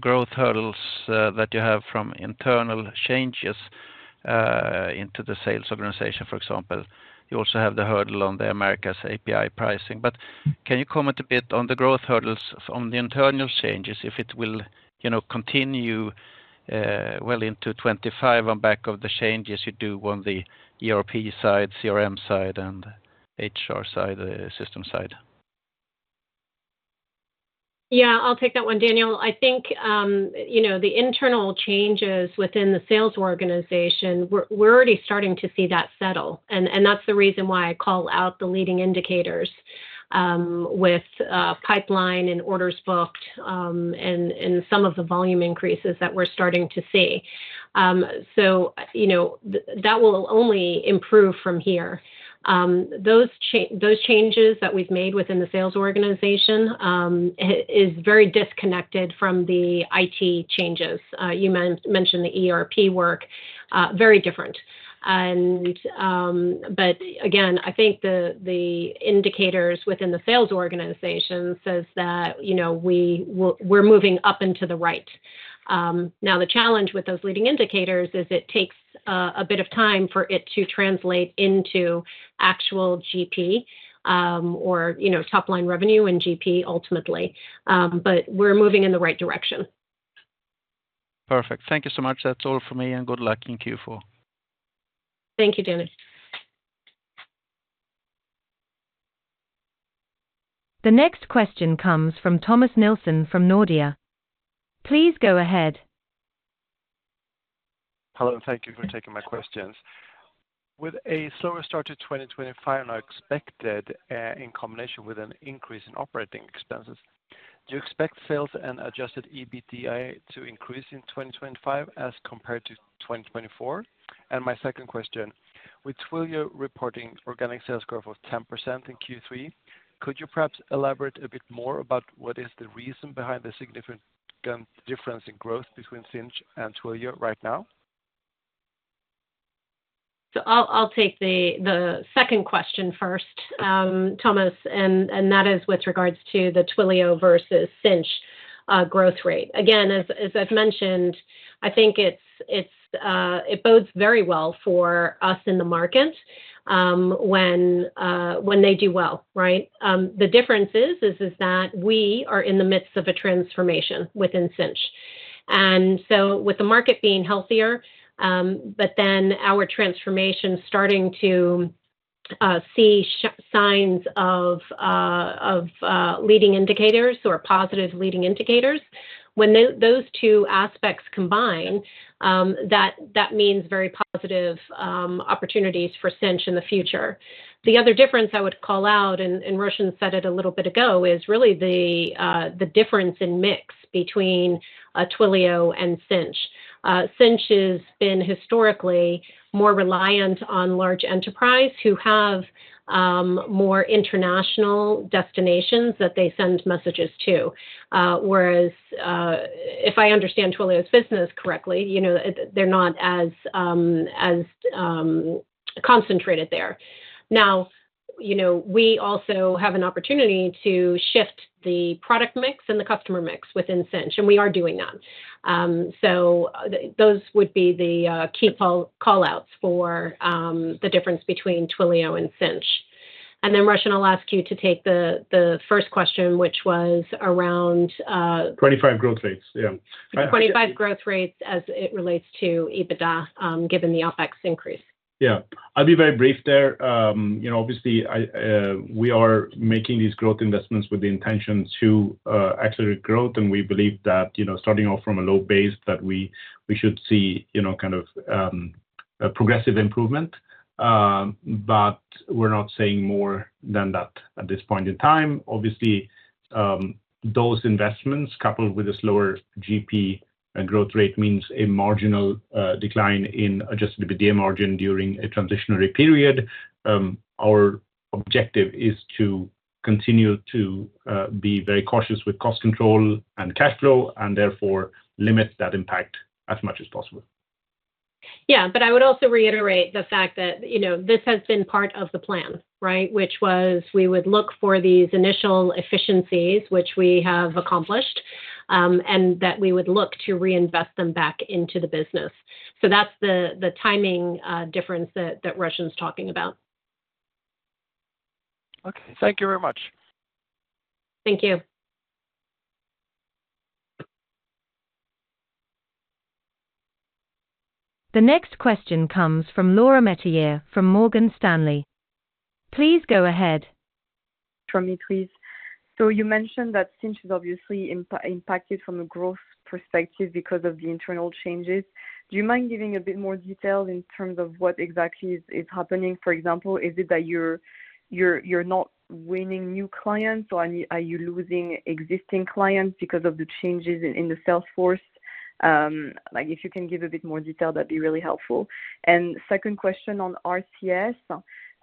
growth hurdles that you have from internal changes into the sales organization, for example? You also have the hurdle on the Americas API pricing. But can you comment a bit on the growth hurdles on the internal changes if it will continue well into 2025 on back of the changes you do on the ERP side, CRM side, and HR side, sys tem side? Yeah, I'll take that one, Daniel. I think the internal changes within the sales organization, we're already starting to see that settle. And that's the reason why I call out the leading indicators with pipeline and orders booked and some of the volume increases that we're starting to see. So that will only improve from here. Those changes that we've made within the sales organization are very disconnected from the IT changes. You mentioned the ERP work, very different. But again, I think the indicators within the sales organization say that we're moving up and to the right. Now, the challenge with those leading indicators is it takes a bit of time for it to translate into actual GP or top-line revenue and GP ultimately. But we're moving in the right direction. Perfect. Thank you so much. That's all for me, and good luck in Q4. Thank you, Daniel. The next question comes from Thomas Nielsen from Nordea. Please go ahead. Hello, and thank you for taking my questions. With a slower start to 2025 and expected in combination with an increase in operating expenses, do you expect sales and Adjusted EBITDA to increase in 2025 as compared to 2024? And my second question, with Twilio reporting organic sales growth of 10% in Q3, could you perhaps elaborate a bit more about what is the reason behind the significant difference in growth between Sinch and Twilio right now? So I'll take the second question first, Thomas, and that is with regards to the Twilio versus Sinch growth rate. Again, as I've mentioned, I think it bodes very well for us in the market when they do well, right? The difference is that we are in the midst of a transformation within Sinch. And so with the market being healthier, but then our transformation starting to see signs of leading indicators or positive leading indicators, when those two aspects combine, that means very positive opportunities for Sinch in the future. The other difference I would call out, and Roshan said it a little bit ago, is really the difference in mix between Twilio and Sinch. Sinch has been historically more reliant on large enterprise who have more international destinations that they send messages to. Whereas if I understand Twilio's business correctly, they're not as concentrated there. Now, we also have an opportunity to shift the product mix and the customer mix within Sinch, and we are doing that. So those would be the key callouts for the difference between Twilio and Sinch. And then Roshan, I'll ask you to take the first question, which was around Q2 growth rates, yeah. Q2 growth rates as it relates to EBITDA given the OpEx increase. Yeah. I'll be very brief there. Obviously, we are making these growth investments with the intention to accelerate growth, and we believe that starting off from a low base that we should see kind of progressive improvement. But we're not saying more than that at this point in time. Obviously, those investments coupled with a slower GP and growth rate means a marginal decline in adjusted EBITDA margin during a transitory period. Our objective is to continue to be very cautious with cost control and cash flow and therefore limit that impact as much as possible. Yeah, but I would also reiterate the fact that this has been part of the plan, right, which was we would look for these initial efficiencies, which we have accomplished, and that we would look to reinvest them back into the business, so that's the timing difference that Roshan's talking about. Okay. Thank you very much. Thank you. The next question comes from Laura Metayer from Morgan Stanley. Please go ahead. From me, please. So you mentioned that Sinch is obviously impacted from a growth perspective because of the internal changes. Do you mind giving a bit more detail in terms of what exactly is happening? For example, is it that you're not winning new clients or are you losing existing clients because of the changes in the sales force? If you can give a bit more detail, that'd be really helpful. And second question on RCS.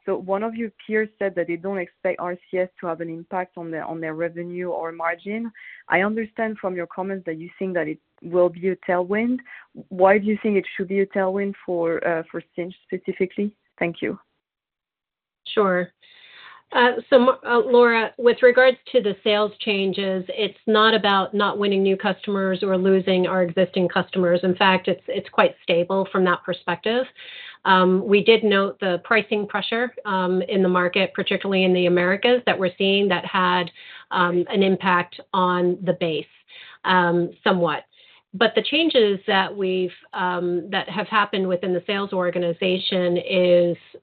So one of your peers said that they don't expect RCS to have an impact on their revenue or margin. I understand from your comments that you think that it will be a tailwind. Why do you think it should be a tailwind for Sinch specifically? Thank you. Sure. So Laura, with regards to the sales changes, it's not about not winning new customers or losing our existing customers. In fact, it's quite stable from that perspective. We did note the pricing pressure in the market, particularly in the Americas, that we're seeing that had an impact on the base somewhat. But the changes that have happened within the sales organization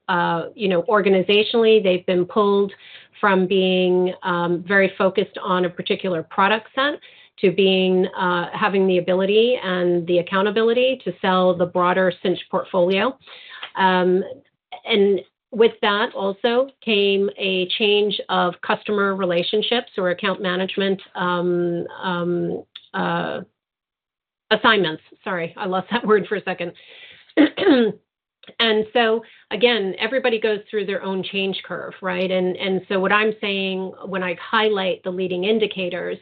are organizationally. They've been pulled from being very focused on a particular product set to having the ability and the accountability to sell the broader Sinch portfolio. And with that also came a change of customer relationships or account management assignments. Sorry, I lost that word for a second. And so again, everybody goes through their own change curve, right? And so what I'm saying when I highlight the leading indicators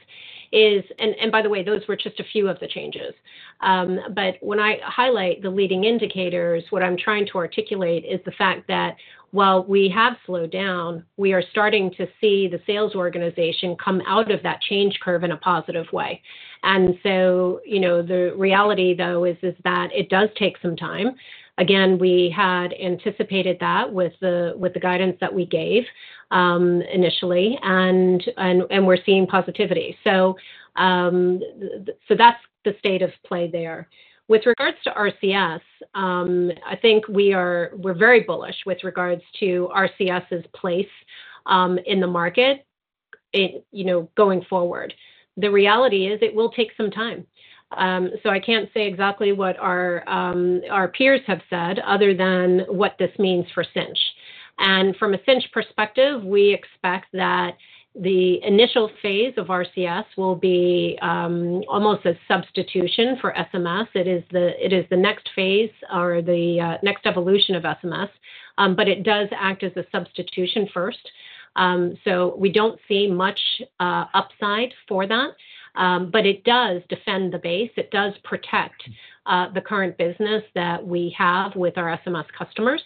is, and by the way, those were just a few of the changes. But when I highlight the leading indicators, what I'm trying to articulate is the fact that while we have slowed down, we are starting to see the sales organization come out of that change curve in a positive way. And so the reality, though, is that it does take some time. Again, we had anticipated that with the guidance that we gave initially, and we're seeing positivity. So that's the state of play there. With regards to RCS, I think we're very bullish with regards to RCS's place in the market going forward. The reality is it will take some time. So I can't say exactly what our peers have said other than what this means for Sinch, and from a Sinch perspective, we expect that the initial phase of RCS will be almost a substitution for SMS. It is the next phase or the next evolution of SMS, but it does act as a substitution first. So we don't see much upside for that, but it does defend the base. It does protect the current business that we have with our SMS customers.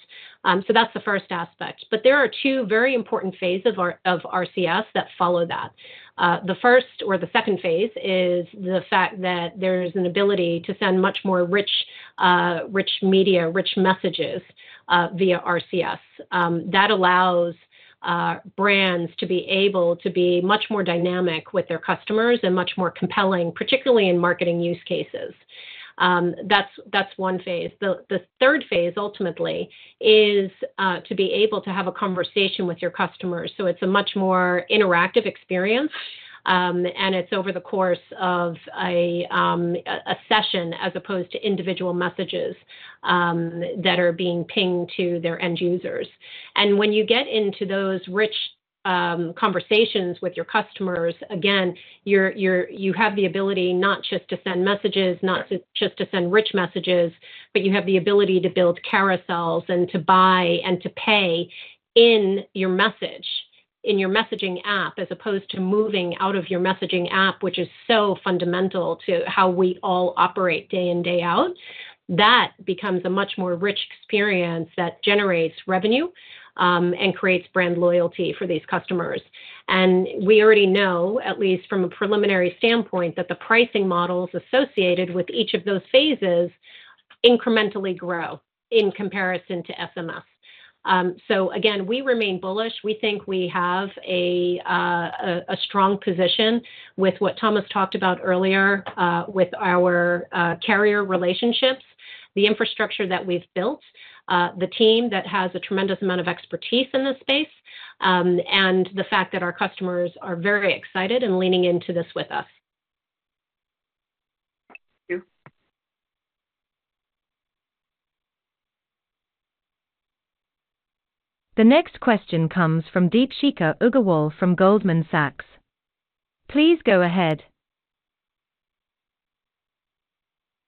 So that's the first aspect, but there are two very important phases of RCS that follow that. The first or the second phase is the fact that there is an ability to send much more rich media, rich messages via RCS. That allows brands to be able to be much more dynamic with their customers and much more compelling, particularly in marketing use cases. That's one phase. The third phase ultimately is to be able to have a conversation with your customers. So it's a much more interactive experience, and it's over the course of a session as opposed to individual messages that are being pinged to their end users. And when you get into those rich conversations with your customers, again, you have the ability not just to send messages, not just to send rich messages, but you have the ability to build carousels and to buy and to pay in your message, in your messaging app, as opposed to moving out of your messaging app, which is so fundamental to how we all operate day in, day out. That becomes a much more rich experience that generates revenue and creates brand loyalty for these customers. And we already know, at least from a preliminary standpoint, that the pricing models associated with each of those phases incrementally grow in comparison to SMS. So again, we remain bullish. We think we have a strong position with what Thomas talked about earlier with our carrier relationships, the infrastructure that we've built, the team that has a tremendous amount of expertise in this space, and the fact that our customers are very excited and leaning into this with us. Thank you. The next question comes from Deepshikha Agarwal from Goldman Sachs. Please go ahead.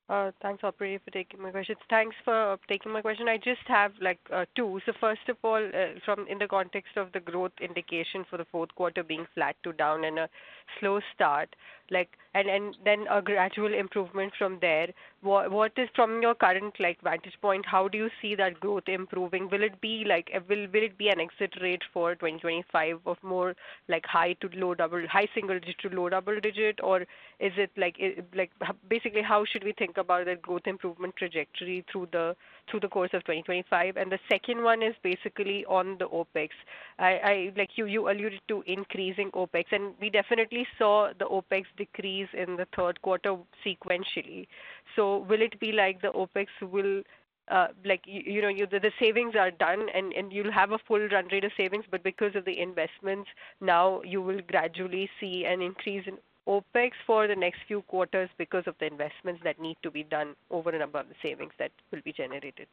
Thanks for taking my question. I just have two. So first of all, in the context of the growth indication for the fourth quarter being flat to down and a slow start, and then a gradual improvement from there, from your current vantage point, how do you see that growth improving? Will it be an exit rate for 2025 of more high to low double high single digit to low double digit, or is it basically how should we think about that growth improvement trajectory through the course of 2025? And the second one is basically on the OpEx. You alluded to increasing OpEx, and we definitely saw the OpEx decrease in the third quarter sequentially. So will it be like the OpEx will the savings are done, and you'll have a full run rate of savings, but because of the investments, now you will gradually see an increase in OpEx for the next few quarters because of the investments that need to be done over and above the savings that will be generated?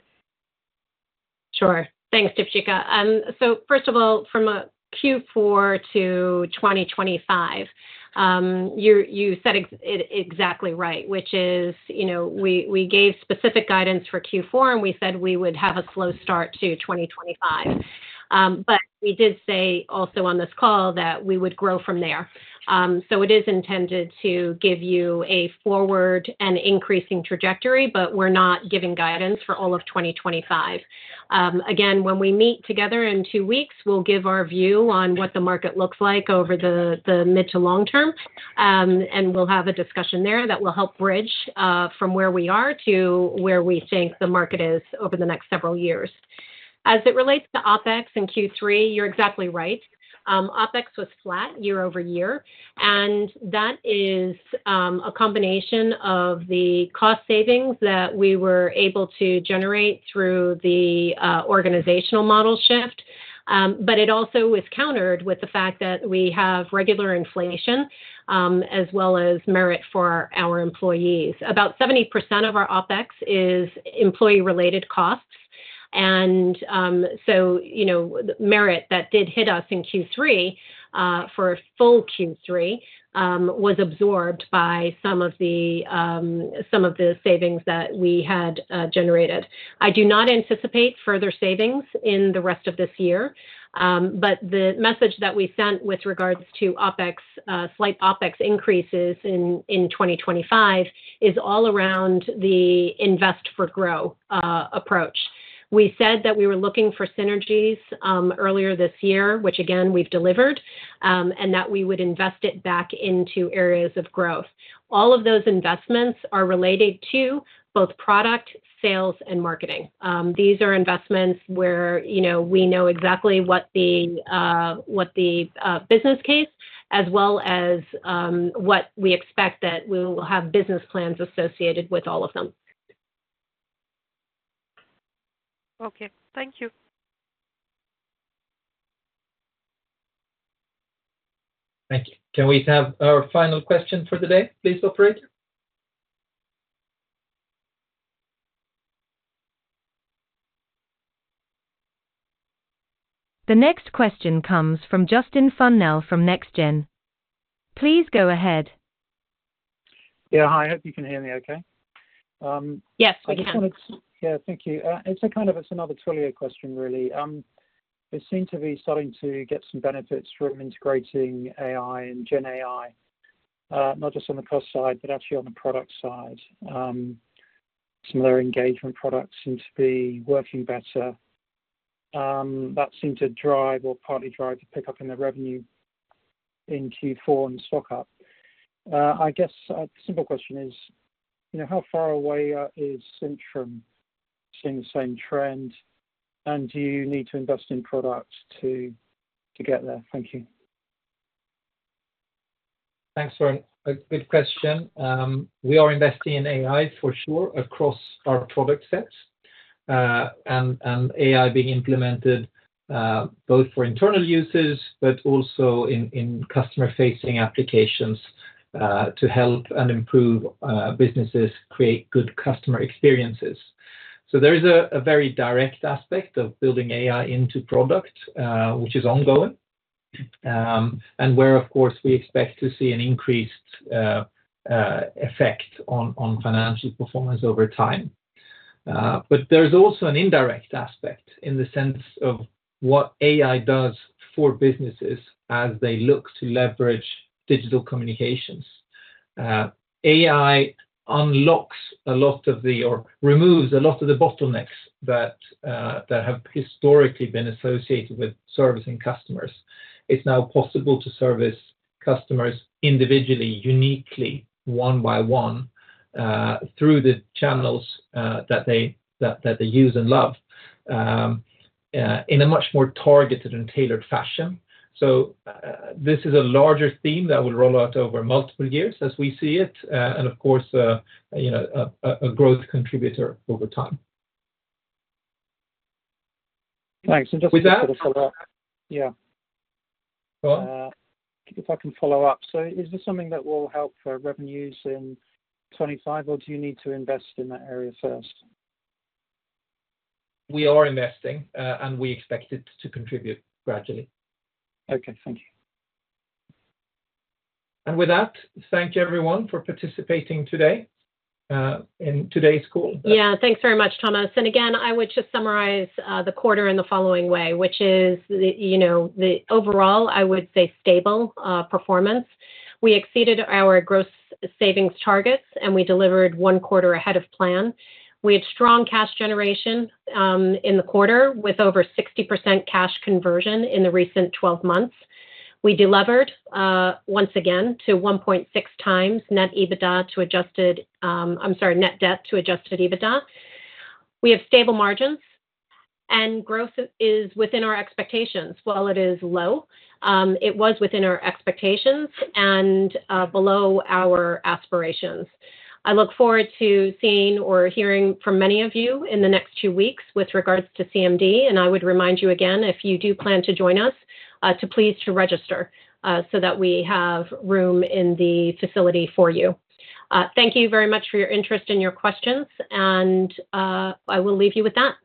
Sure. Thanks, Deepshikha. So first of all, from Q4 to 2025, you said it exactly right, which is we gave specific guidance for Q4, and we said we would have a slow start to 2025. But we did say also on this call that we would grow from there. So it is intended to give you a forward and increasing trajectory, but we're not giving guidance for all of 2025. Again, when we meet together in two weeks, we'll give our view on what the market looks like over the mid to long term, and we'll have a discussion there that will help bridge from where we are to where we think the market is over the next several years. As it relates to OpEx and Q3, you're exactly right. OpEx was flat year over year, and that is a combination of the cost savings that we were able to generate through the organizational model shift, but it also was countered with the fact that we have regular inflation as well as merit for our employees. About 70% of our OpEx is employee-related costs, and so merit that did hit us in Q3 for a full Q3 was absorbed by some of the savings that we had generated. I do not anticipate further savings in the rest of this year, but the message that we sent with regards to slight OpEx increases in 2025 is all around the invest for grow approach. We said that we were looking for synergies earlier this year, which again, we've delivered, and that we would invest it back into areas of growth. All of those investments are related to both product, sales, and marketing. These are investments where we know exactly what the business case as well as what we expect that we will have business plans associated with all of them. Okay. Thank you. Thank you. Can we have our final question for the day? Please feel free to. The next question comes from Justin Funnell from NextGen. Please go ahead. Yeah. Hi. I hope you can hear me okay. Yes, we can. Yeah. Thank you. It's kind of another Twilio question, really. We seem to be starting to get some benefits from integrating AI and GenAI, not just on the cost side, but actually on the product side. Some of their engagement products seem to be working better. That seemed to drive or partly drive the pickup in the revenue in Q4 and stock up. I guess a simple question is, how far away is Sinch seeing the same trend, and do you need to invest in products to get there? Thank you. Thanks for a good question. We are investing in AI for sure across our product sets and AI being implemented both for internal users, but also in customer-facing applications to help and improve businesses, create good customer experiences, so there is a very direct aspect of building AI into product, which is ongoing, and where, of course, we expect to see an increased effect on financial performance over time, but there's also an indirect aspect in the sense of what AI does for businesses as they look to leverage digital communications. AI unlocks a lot of the or removes a lot of the bottlenecks that have historically been associated with servicing customers. It's now possible to service customers individually, uniquely, one by one through the channels that they use and love in a much more targeted and tailored fashion. So this is a larger theme that will roll out over multiple years as we see it, and of course, a growth contributor over time. Thanks. And Justin. With that. Yeah. Go on. If I can follow up. So is this something that will help revenues in 2025, or do you need to invest in that area first? We are investing, and we expect it to contribute gradually. Okay. Thank you. And with that, thank you, everyone, for participating today in today's call. Yeah. Thanks very much, Thomas. And again, I would just summarize the quarter in the following way, which is the overall, I would say, stable performance. We exceeded our gross savings targets, and we delivered one quarter ahead of plan. We had strong cash generation in the quarter with over 60% cash conversion in the recent 12 months. We delivered, once again, to 1.6 times net EBITDA to adjusted-I'm sorry, net debt to adjusted EBITDA. We have stable margins, and growth is within our expectations. While it is low, it was within our expectations and below our aspirations. I look forward to seeing or hearing from many of you in the next two weeks with regards to CMD. And I would remind you again, if you do plan to join us, to please register so that we have room in the facility for you. Thank you very much for your interest and your questions, and I will leave you with that.